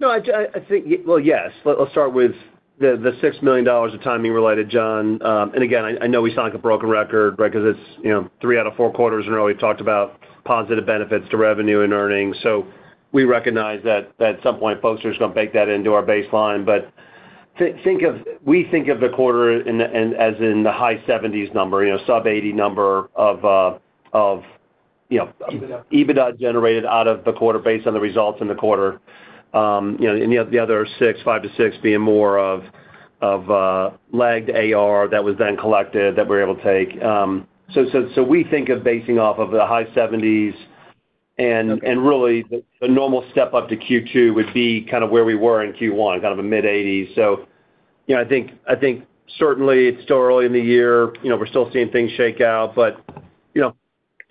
No, I think, well, yes. Let's start with the $6 million of timing related, John. Again, I know we sound like a broken record, right? Because it's, you know, three out of four quarters in a row we've talked about positive benefits to revenue and earnings. We recognize that at some point [Poster's] going to bake that into our baseline. We think of the quarter in as in the high 70s number, you know, sub 80 number of, you know. EBITDA generated out of the quarter based on the results in the quarter. You know, the other $5 million-$6 million being more of lagged AR that was then collected that we were able to take. We think of basing off of the high 70s. Okay Really the normal step up to Q2 would be kind of where we were in Q1, kind of a mid-80s. You know, I think certainly it's still early in the year. You know, we're still seeing things shake out. You know,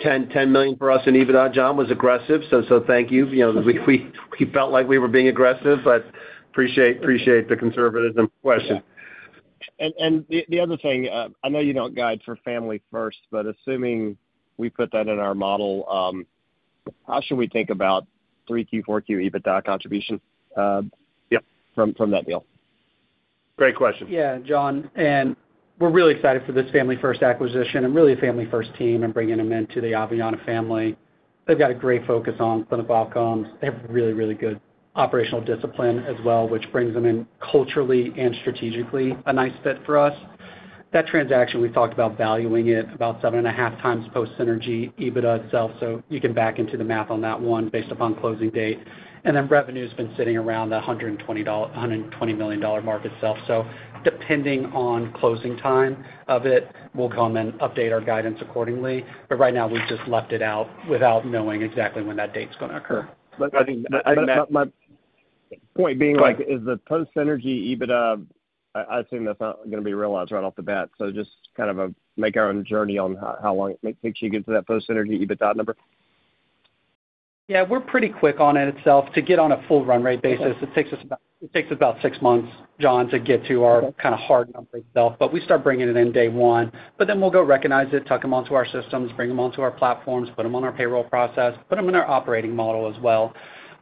$10 million for us in EBITDA, John, was aggressive. Thank you. You know, we felt like we were being aggressive, but appreciate the conservatism question. Yeah. The other thing, I know you don't guide for Family First, but assuming we put that in our model, how should we think about 3Q, 4Q EBITDA contribution? Yes. From that deal? Great question. Yeah, John, we're really excited for this Family First acquisition and really the Family First team and bringing them into the Aveanna family. They've got a great focus on clinical outcomes. They have really, really good operational discipline as well, which brings them in culturally and strategically a nice fit for us. That transaction, we talked about valuing it about 7.5x post synergy EBITDA itself, you can back into the math on that one based upon closing date. Then revenue's been sitting around the $120 million mark itself. Depending on closing time of it, we'll come and update our guidance accordingly. Right now, we've just left it out without knowing exactly when that date's going to occur. But I think, I think, Matt- Go ahead. My point being like, is the post synergy EBITDA, I assume that's not going to be realized right off the bat, just kind of a make our own journey on how long it makes you get to that post synergy EBITDA number. Yeah, we're pretty quick on it itself. To get on a full run rate basis. Okay It takes about six months, John, to get to our kind of hard number itself. We start bringing it in day one. We'll go recognize it, tuck them onto our systems, bring them onto our platforms, put them on our payroll process, put them in our operating model as well.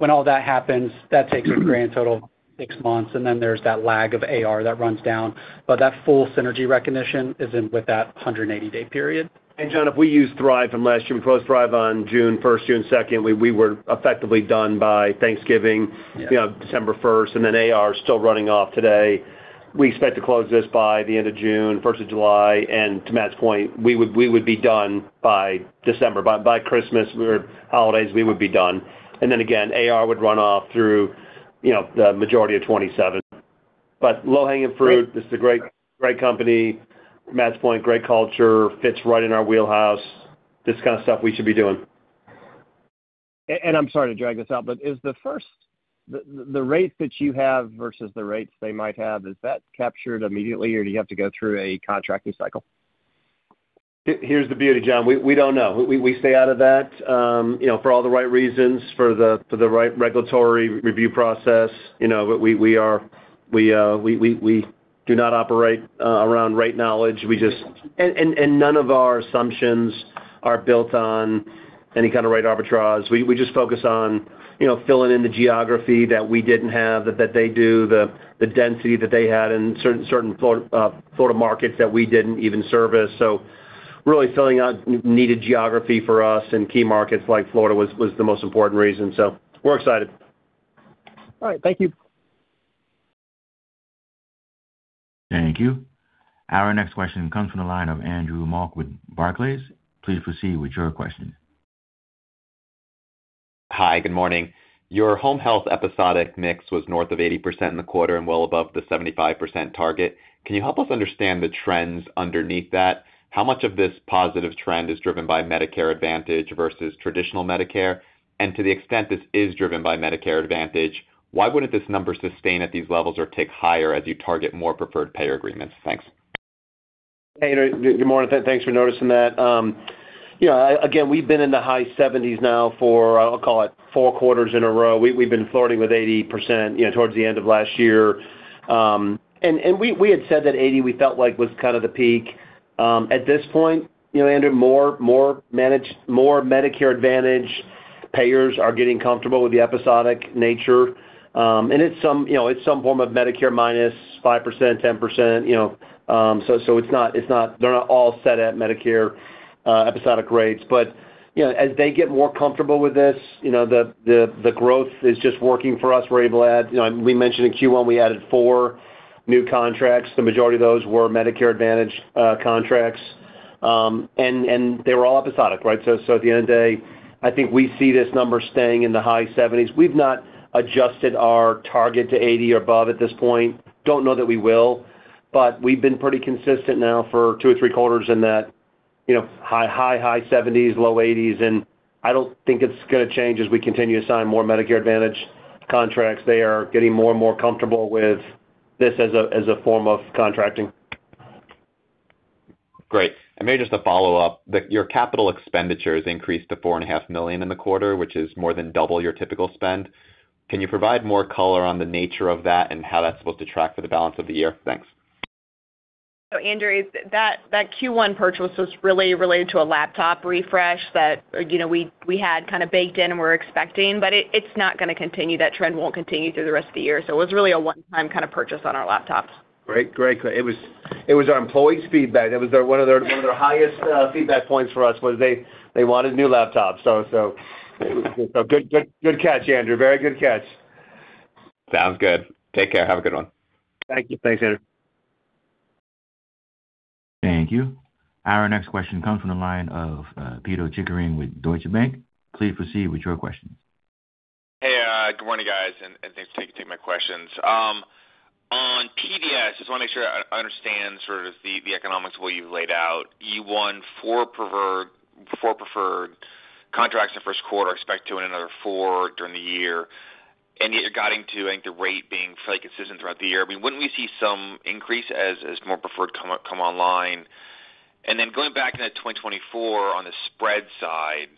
When all that happens, that takes a grand total of six months, and then there's that lag of AR that runs down. That full synergy recognition is in with that 180 day period. John, if we use Thrive from last year, we closed Thrive on June 1st, June 2nd. We were effectively done by Thanksgiving. Yeah. You know, December 1st. AR is still running off today. We expect to close this by the end of June, 1st of July. To Matt's point, we would be done by December. By Christmas or holidays, we would be done. Again, AR would run off through, you know, the majority of 2027. Low-hanging fruit. This is a great company. Matt's point, great culture, fits right in our wheelhouse. This kind of stuff we should be doing. I'm sorry to drag this out, is the first, the rate that you have versus the rates they might have, is that captured immediately, or do you have to go through a contracting cycle? Here's the beauty, John. We don't know. We stay out of that, you know, for the right regulatory review process. You know, we are, we do not operate around rate knowledge. Okay. None of our assumptions are built on any kind of rate arbitrage. We just focus on, you know, filling in the geography that we didn't have, that they do, the density that they had in certain Florida markets that we didn't even service. Really filling out needed geography for us in key markets like Florida was the most important reason. We're excited. All right. Thank you. Thank you. Our next question comes from the line of Andrew Mok with Barclays. Please proceed with your question. Hi, good morning. Your Home Health episodic mix was north of 80% in the quarter and well above the 75% target. Can you help us understand the trends underneath that? How much of this positive trend is driven by Medicare Advantage versus traditional Medicare? To the extent this is driven by Medicare Advantage, why wouldn't this number sustain at these levels or tick higher as you target more preferred payer agreements? Thanks. Hey, Andrew. Good morning. Thanks for noticing that. you know, again, we've been in the high 70s now for, I'll call it four quarters in a row. We've been flirting with 80%, you know, towards the end of last year. We had said that 80 we felt like was kind of the peak. At this point, you know, Andrew, more managed, more Medicare Advantage payers are getting comfortable with the episodic nature. It's some, you know, it's some form of Medicare -5%, 10%, you know. It's not, they're not all set at Medicare episodic rates. you know, as they get more comfortable with this, you know, the growth is just working for us. We're able to add, you know, we mentioned in Q1 we added four new contracts, the majority of those were Medicare Advantage contracts. And they were all episodic, right? At the end of the day, I think we see this number staying in the high seventies. We've not adjusted our target to eighty or above at this point. Don't know that we will, but we've been pretty consistent now for two or three quarters in that, you know, high 70s, low 80s. I don't think it's going to change as we continue to sign more Medicare Advantage contracts. They are getting more and more comfortable with this as a form of contracting. Great. Maybe just a follow-up. Your capital expenditures increased to $4.5 million in the quarter, which is more than double your typical spend. Can you provide more color on the nature of that and how that's supposed to track for the balance of the year? Thanks. Andrew, it's that Q1 purchase was really related to a laptop refresh that, you know, we had kind of baked in and were expecting. It's not going to continue. That trend won't continue through the rest of the year. It was really a one-time kind of purchase on our laptops. Great, great. It was our employees' feedback. It was their one of their highest feedback points for us was they wanted new laptops. Good catch, Andrew. Very good catch. Sounds good. Take care. Have a good one. Thank you. Thanks, Andrew. Thank you. Our next question comes from the line of Pito Chickering with Deutsche Bank. Please proceed with your question. Hey, good morning, guys, and thanks to take my questions. On PDS, just want to make sure I understand sort of the economics the way you've laid out. You won four preferred contracts in the first quarter, expect to win another four during the year. Yet guiding to, I think, the rate being fairly consistent throughout the year. I mean, wouldn't we see some increase as more preferred come online? Then going back into 2024 on the spread side,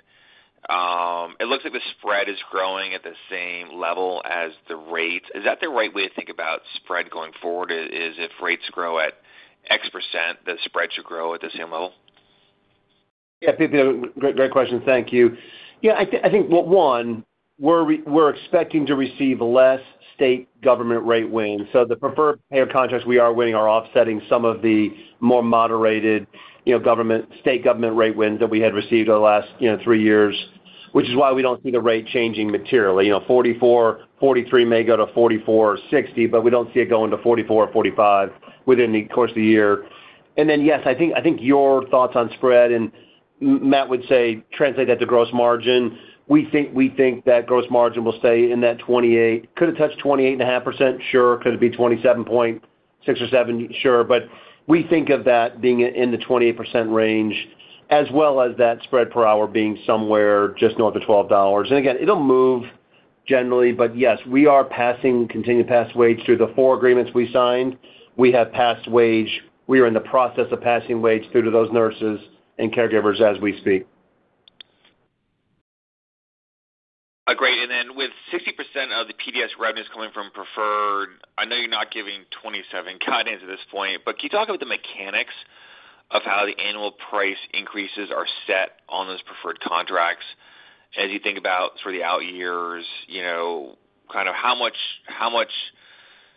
it looks like the spread is growing at the same level as the rates. Is that the right way to think about spread going forward, is if rates grow at X%, the spread should grow at the same level? Pito, great question. Thank you. I think, well, one, we're expecting to receive less state government rate wins. The preferred payer contracts we are winning are offsetting some of the more moderated, you know, government, state government rate wins that we had received over the last, you know, three years, which is why we don't see the rate changing materially. You know, 44%, 43% may go to 44% or 60%, but we don't see it going to 44% or 45% within the course of the year. Yes, I think your thoughts on spread, and Matt would say translate that to gross margin. We think that gross margin will stay in that 28. Could it touch 28.5%? Sure. Could it be 27.6% or 27.7%? Sure. We think of that being in the 28% range, as well as that spread per hour being somewhere just north of $12. Again, it'll move generally, but yes, we are continuing to pass wage through the four agreements we signed. We have passed wage. We are in the process of passing wage through to those nurses and caregivers as we speak. Great. With 60% of the PDS revenues coming from preferred, I know you're not giving 2027 guidance at this point, but can you talk about the mechanics of how the annual price increases are set on those preferred contracts as you think about sort of the out years? You know, kind of how much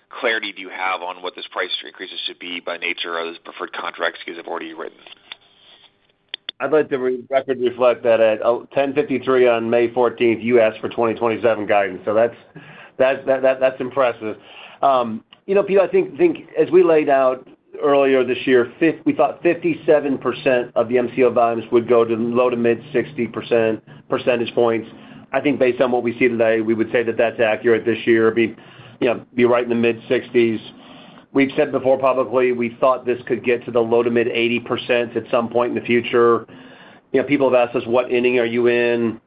clarity do you have on what this price increases should be by nature of those preferred contracts, because they've already written? I'd like the re-record reflect that at 10:53 AM on May 14th, you asked for 2027 guidance. That's impressive. You know, Pito, I think as we laid out earlier this year, we thought 57% of the MCO volumes would go to low to mid 60 percentage points. I think based on what we see today, we would say that that's accurate this year. It'd be, you know, right in the mid-60s. We've said before publicly, we thought this could get to the low to mid 80% at some point in the future. You know, people have asked us, "What inning are you in?"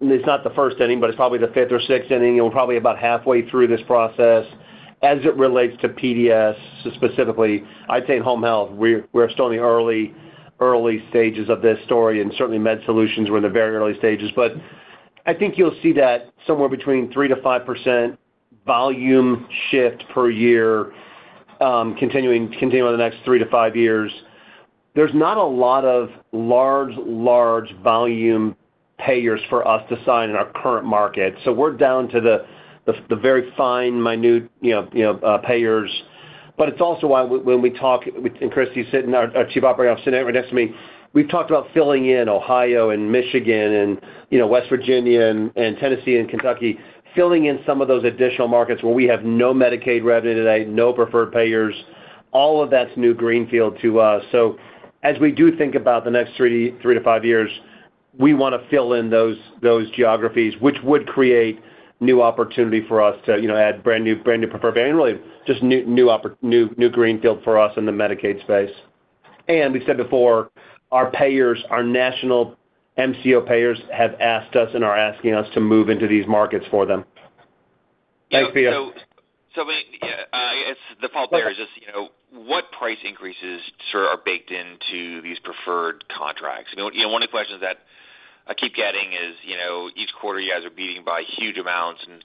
It's not the first inning, but it's probably the fifth or sixth inning. We're probably about halfway through this process. As it relates to PDS specifically, I'd say in Home Health, we're still in the early stages of this story, and certainly Med Solutions, we're in the very early stages. I think you'll see that somewhere between 3%-5% volume shift per year, continuing over the next three to five years. There's not a lot of large volume payers for us to sign in our current market. We're down to the very fine minute, you know, payers. It's also why when we talk, and Kristy is sitting, our Chief Operating Officer sitting right next to me, we've talked about filling in Ohio and Michigan and, you know, West Virginia and Tennessee and Kentucky, filling in some of those additional markets where we have no Medicaid revenue today, no preferred payers. All of that's new greenfield to us. As we do think about the next three to five years, we want to fill in those geographies, which would create new opportunity for us to, you know, add brand new preferred payer, and really just new greenfield for us in the Medicaid space. We said before, our payers, our national MCO payers have asked us and are asking us to move into these markets for them. Thanks, Pito. Yeah. When, I guess the follow up there is just, you know, what price increases sort of are baked into these preferred contracts? You know, one of the questions that I keep getting is, you know, each quarter you guys are beating by huge amounts and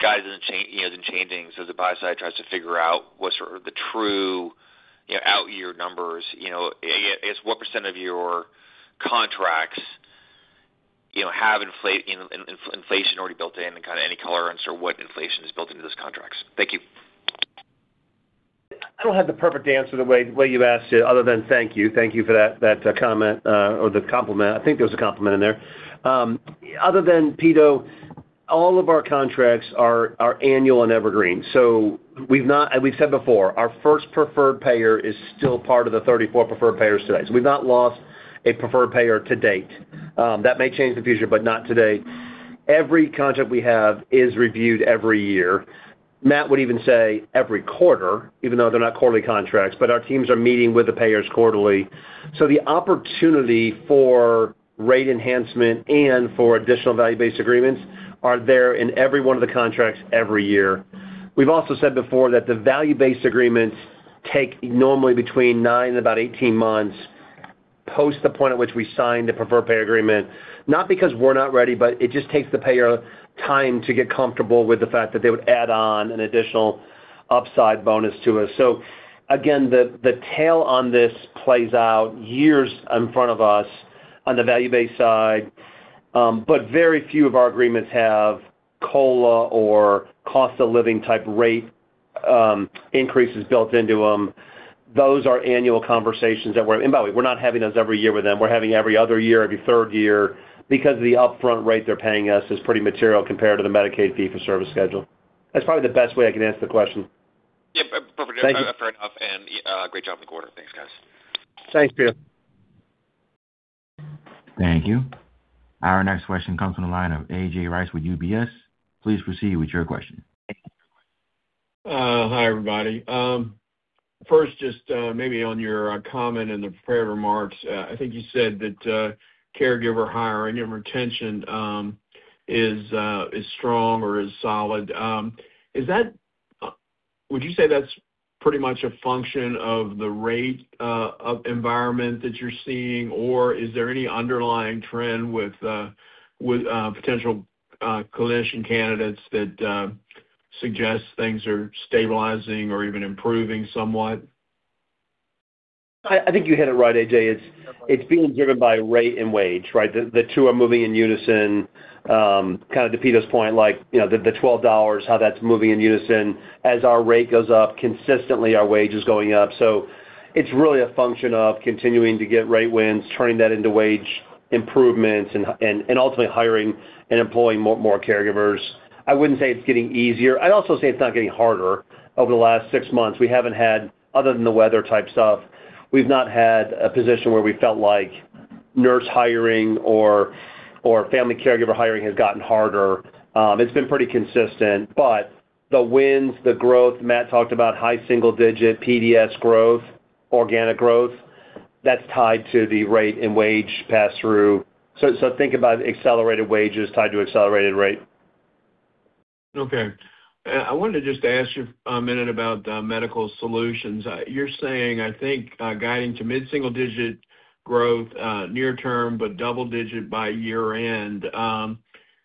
guidance isn't, you know, isn't changing. The buy side tries to figure out what's sort of the true, you know, out year numbers. You know, I guess, what percent of your contracts, you know, have inflation already built in and kind of any color on sort of what inflation is built into those contracts? Thank you. I don't have the perfect answer the way you asked it other than thank you. Thank you for that comment or the compliment. I think there was a compliment in there. Other than, Pito, all of our contracts are annual and evergreen. We've not, as we've said before, our first preferred payer is still part of the 34 preferred payers today. We've not lost a preferred payer to date. That may change in the future, but not to date. Every contract we have is reviewed every year. Matt would even say every quarter, even though they're not quarterly contracts, but our teams are meeting with the payers quarterly. The opportunity for rate enhancement and for additional value-based agreements are there in every one of the contracts every year. We've also said before that the value-based agreements take normally between nine and about 18 months post the point at which we sign the preferred payer agreement, not because we're not ready, but it just takes the payer time to get comfortable with the fact that they would add on an additional upside bonus to us. Again, the tail on this plays out years in front of us on the value-based side. Very few of our agreements have COLA or cost of living type rate increases built into them. Those are annual conversations that we're and by the way, we're not having those every year with them. We're having every other year, every third year, because the upfront rate they're paying us is pretty material compared to the Medicaid fee-for-service schedule. That's probably the best way I can answer the question. Yeah, perfect. Thank you. Fair enough. Great job in the quarter. Thanks, guys. Thanks, Pito. Thank you. Our next question comes from the line of A.J. Rice with UBS. Please proceed with your question. Hi, everybody. First, just maybe on your comment in the prepared remarks, I think you said that caregiver hiring and retention is strong or is solid. Is that, would you say that's pretty much a function of the rate of environment that you're seeing? Or is there any underlying trend with potential caregiver candidates that suggest things are stabilizing or even improving somewhat? I think you hit it right, A.J. It's being driven by rate and wage, right? The two are moving in unison. kind of to Pito's point, you know, the 12 hours, how that's moving in unison. As our rate goes up, consistently our wage is going up. It's really a function of continuing to get rate wins, turning that into wage improvements and ultimately hiring and employing more caregivers. I wouldn't say it's getting easier. I'd also say it's not getting harder. Over the last six months, we haven't had, other than the weather type stuff, we've not had a position where we felt like nurse hiring or family caregiver hiring has gotten harder. It's been pretty consistent. The wins, the growth, Matt talked about high single digit PDS growth, organic growth, that's tied to the rate and wage pass-through. Think about accelerated wages tied to accelerated rate. Okay. I wanted to just ask you a minute about Medical Solutions. You're saying, I think, guiding to mid-single-digit growth near term, but double-digit by year-end.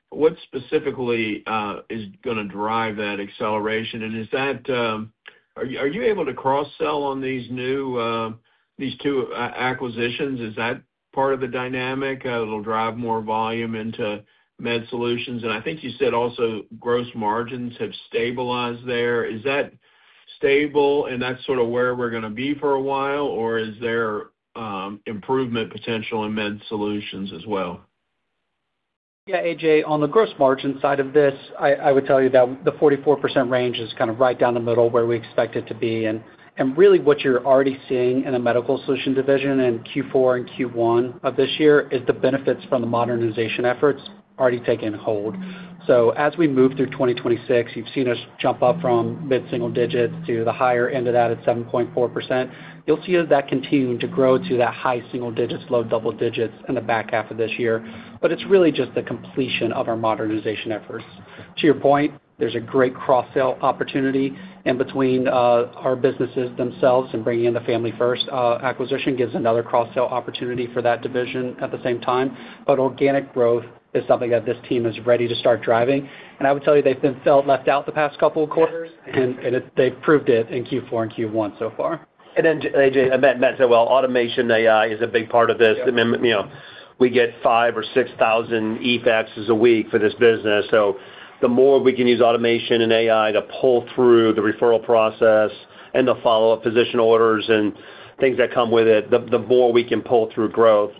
What specifically is going to drive that acceleration? Is that, are you able to cross-sell on these new two acquisitions? Is that part of the dynamic that'll drive more volume into Med Solutions? I think you said also gross margins have stabilized there. Is that stable and that's sort of where we're going to be for a while, or is there improvement potential in Med Solutions as well? Yeah, AJ, on the gross margin side of this, I would tell you that the 44% range is kind of right down the middle where we expect it to be. Really what you're already seeing in a Medical Solutions division in Q4 and Q1 of this year is the benefits from the modernization efforts already taking hold. As we move through 2026, you've seen us jump up from mid-single digits to the higher end of that at 7.4%. You'll see that continuing to grow to that high single digits, low double digits in the back half of this year. It's really just the completion of our modernization efforts. To your point, there's a great cross-sell opportunity in between, our businesses themselves and bringing in the Family First acquisition gives another cross-sell opportunity for that division at the same time. Organic growth is something that this team is ready to start driving. I would tell you, they've been felt left out the past couple of quarters, and they've proved it in Q4 and Q1 so far. A.J., Matt said, well, automation, AI is a big part of this. You know, we get 5,000 or 6,000 e-faxes a week for this business. The more we can use automation and AI to pull through the referral process and the follow-up physician orders and things that come with it, the more we can pull through growth.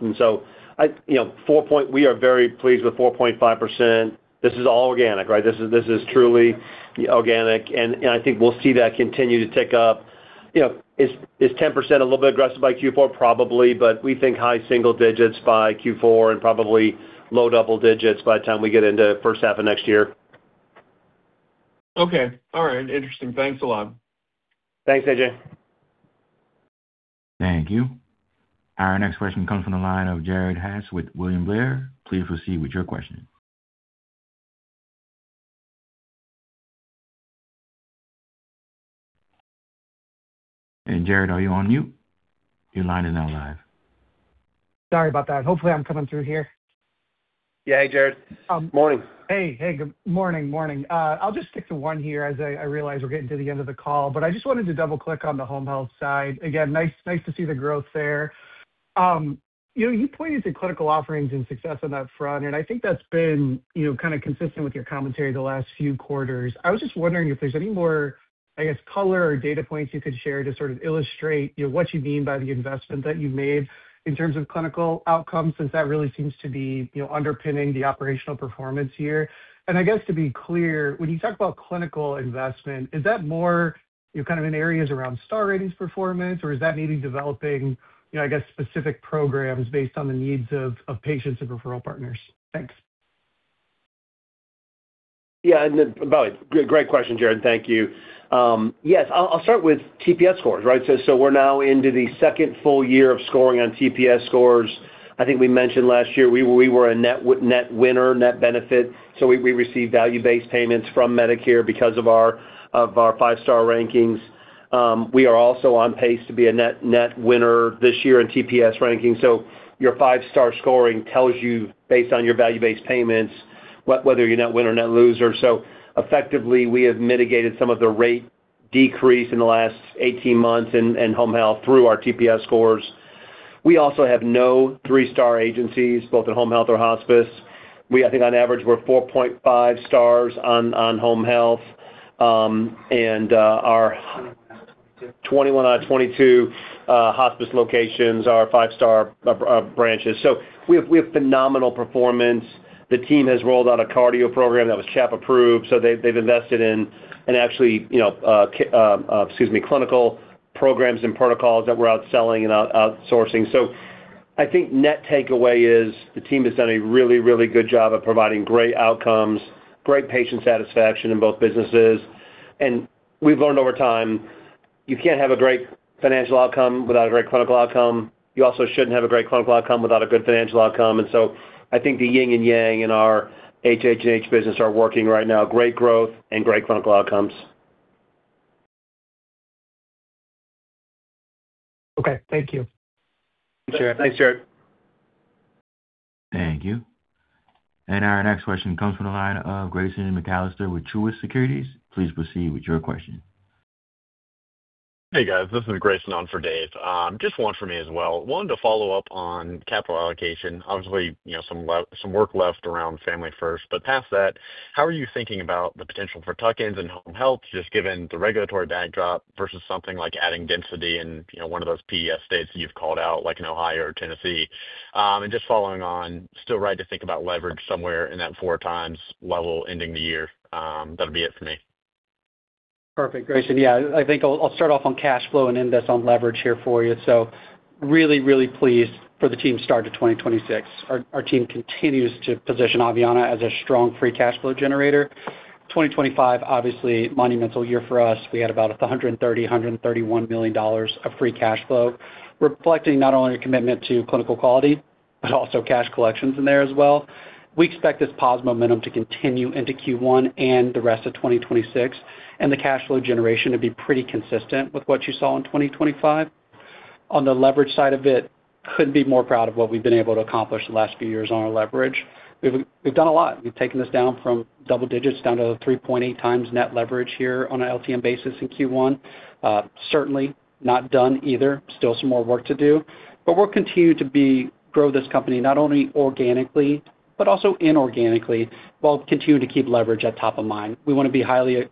You know, we are very pleased with 4.5%. This is all organic, right? This is truly organic. I think we'll see that continue to tick up. You know, is 10% a little bit aggressive by Q4? Probably. We think high single digits by Q4 and probably low double digits by the time we get into first half of next year. Okay. All right. Interesting. Thanks a lot. Thanks, A.J. Thank you. Our next question comes from the line of Jared Haase with William Blair. Please proceed with your question. Jared, are you on mute? Your line is now live. Sorry about that. Hopefully, I'm coming through here. Yeah. Hey, Jared. Morning. Good morning. Morning. I'll just stick to 1 here as I realize we're getting to the end of the call, but I just wanted to double-click on the Home Health side. Again, nice to see the growth there. You know, you pointed to clinical offerings and success on that front, I think that's been, you know, kind of consistent with your commentary the last few quarters. I was just wondering if there's any more, I guess, color or data points you could share to sort of illustrate, you know, what you mean by the investment that you've made in terms of clinical outcomes, since that really seems to be, you know, underpinning the operational performance here. I guess to be clear, when you talk about clinical investment, is that more, you know, kind of in areas around star ratings performance, or is that maybe developing, you know, I guess specific programs based on the needs of patients and referral partners? Thanks. By the way, great question, Jared. Thank you. Yes, I'll start with TPS scores, right? We're now into the second full year of scoring on TPS scores. I think we mentioned last year we were a net winner, net benefit, so we received value-based payments from Medicare because of our five-star rankings. We are also on pace to be a net winner this year in TPS ranking. Your five-star scoring tells you based on your value-based payments whether you're net winner or net loser. Effectively, we have mitigated some of the rate decrease in the last 18 months in Home Health through our TPS scores. We also have no three-star agencies, both in Home Health or Hospice. We, I think on average, we're 4.5 stars on Home Health. Um, and, uh, our- 21 out of 22. 21 out of 22 Hospice locations are five-star branches. We have phenomenal performance. The team has rolled out a cardio program that was CHAP approved, they've invested in and actually, you know, excuse me, clinical programs and protocols that we're outselling and outsourcing. I think net takeaway is the team has done a really good job of providing great outcomes, great patient satisfaction in both businesses. We've learned over time, you can't have a great financial outcome without a great clinical outcome. You also shouldn't have a great clinical outcome without a good financial outcome. I think the yin and yang in our HHH business are working right now, great growth and great clinical outcomes. Okay. Thank you. Thanks, Jared. Thank you. Our next question comes from the line of Grayson McAlister with Truist Securities. Please proceed with your question. Hey, guys, this is Grayson on for Dave. Just one for me as well. Wanted to follow up on capital allocation. Obviously, you know, some work left around Family First. Past that, how are you thinking about the potential for tuck-ins in Home Health, just given the regulatory backdrop versus something like adding density in, you know, one of those PDS states that you've called out, like in Ohio or Tennessee? Just following on, still right to think about leverage somewhere in that 4x level ending the year. That'll be it for me. Perfect, Grayson. I think I'll start off on cash flow and end this on leverage here for you. Really, really pleased for the team start to 2026. Our team continues to position Aveanna as a strong free cash flow generator. 2025, obviously monumental year for us. We had about $130 million-$131 million of free cash flow, reflecting not only a commitment to clinical quality, but also cash collections in there as well. We expect this positive momentum to continue into Q1 and the rest of 2026, and the cash flow generation to be pretty consistent with what you saw in 2025. On the leverage side of it, couldn't be more proud of what we've been able to accomplish the last few years on our leverage. We've done a lot. We've taken this down from double digits down to 3.8x net leverage here on an LTM basis in Q1. Certainly not done either. Still some more work to do. We'll continue to grow this company, not only organically, but also inorganically, while continuing to keep leverage at top of mind. We want to be highly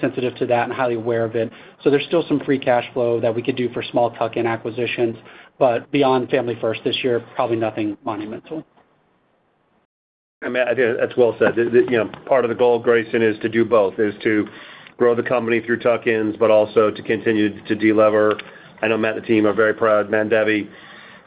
sensitive to that and highly aware of it. There's still some free cash flow that we could do for small tuck-in acquisitions, but beyond Family First this year, probably nothing monumental. I mean, I think that's well said. You know, part of the goal, Grayson, is to do both, is to grow the company through tuck-ins, but also to continue to delever. I know Matt and the team are very proud. Matt and Debbie,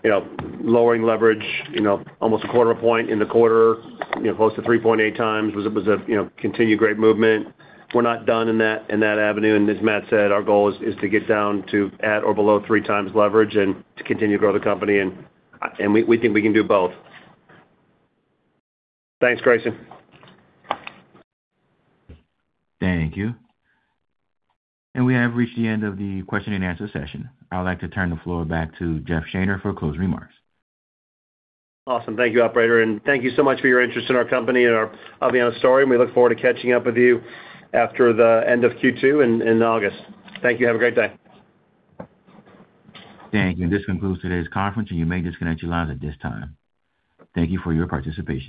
you know, lowering leverage, you know, almost a quarter point in the quarter, you know, close to 3.8x was a, you know, continued great movement. We're not done in that avenue. As Matt said, our goal is to get down to at or below 3x leverage and to continue to grow the company. We think we can do both. Thanks, Grayson. Thank you. We have reached the end of the question and answer session. I would like to turn the floor back to Jeff Shaner for closing remarks. Awesome. Thank you, operator. Thank you so much for your interest in our company and our Aveanna story, we look forward to catching up with you after the end of Q2 in August. Thank you. Have a great day. Thank you. This concludes today's conference. You may disconnect your lines at this time. Thank you for your participation.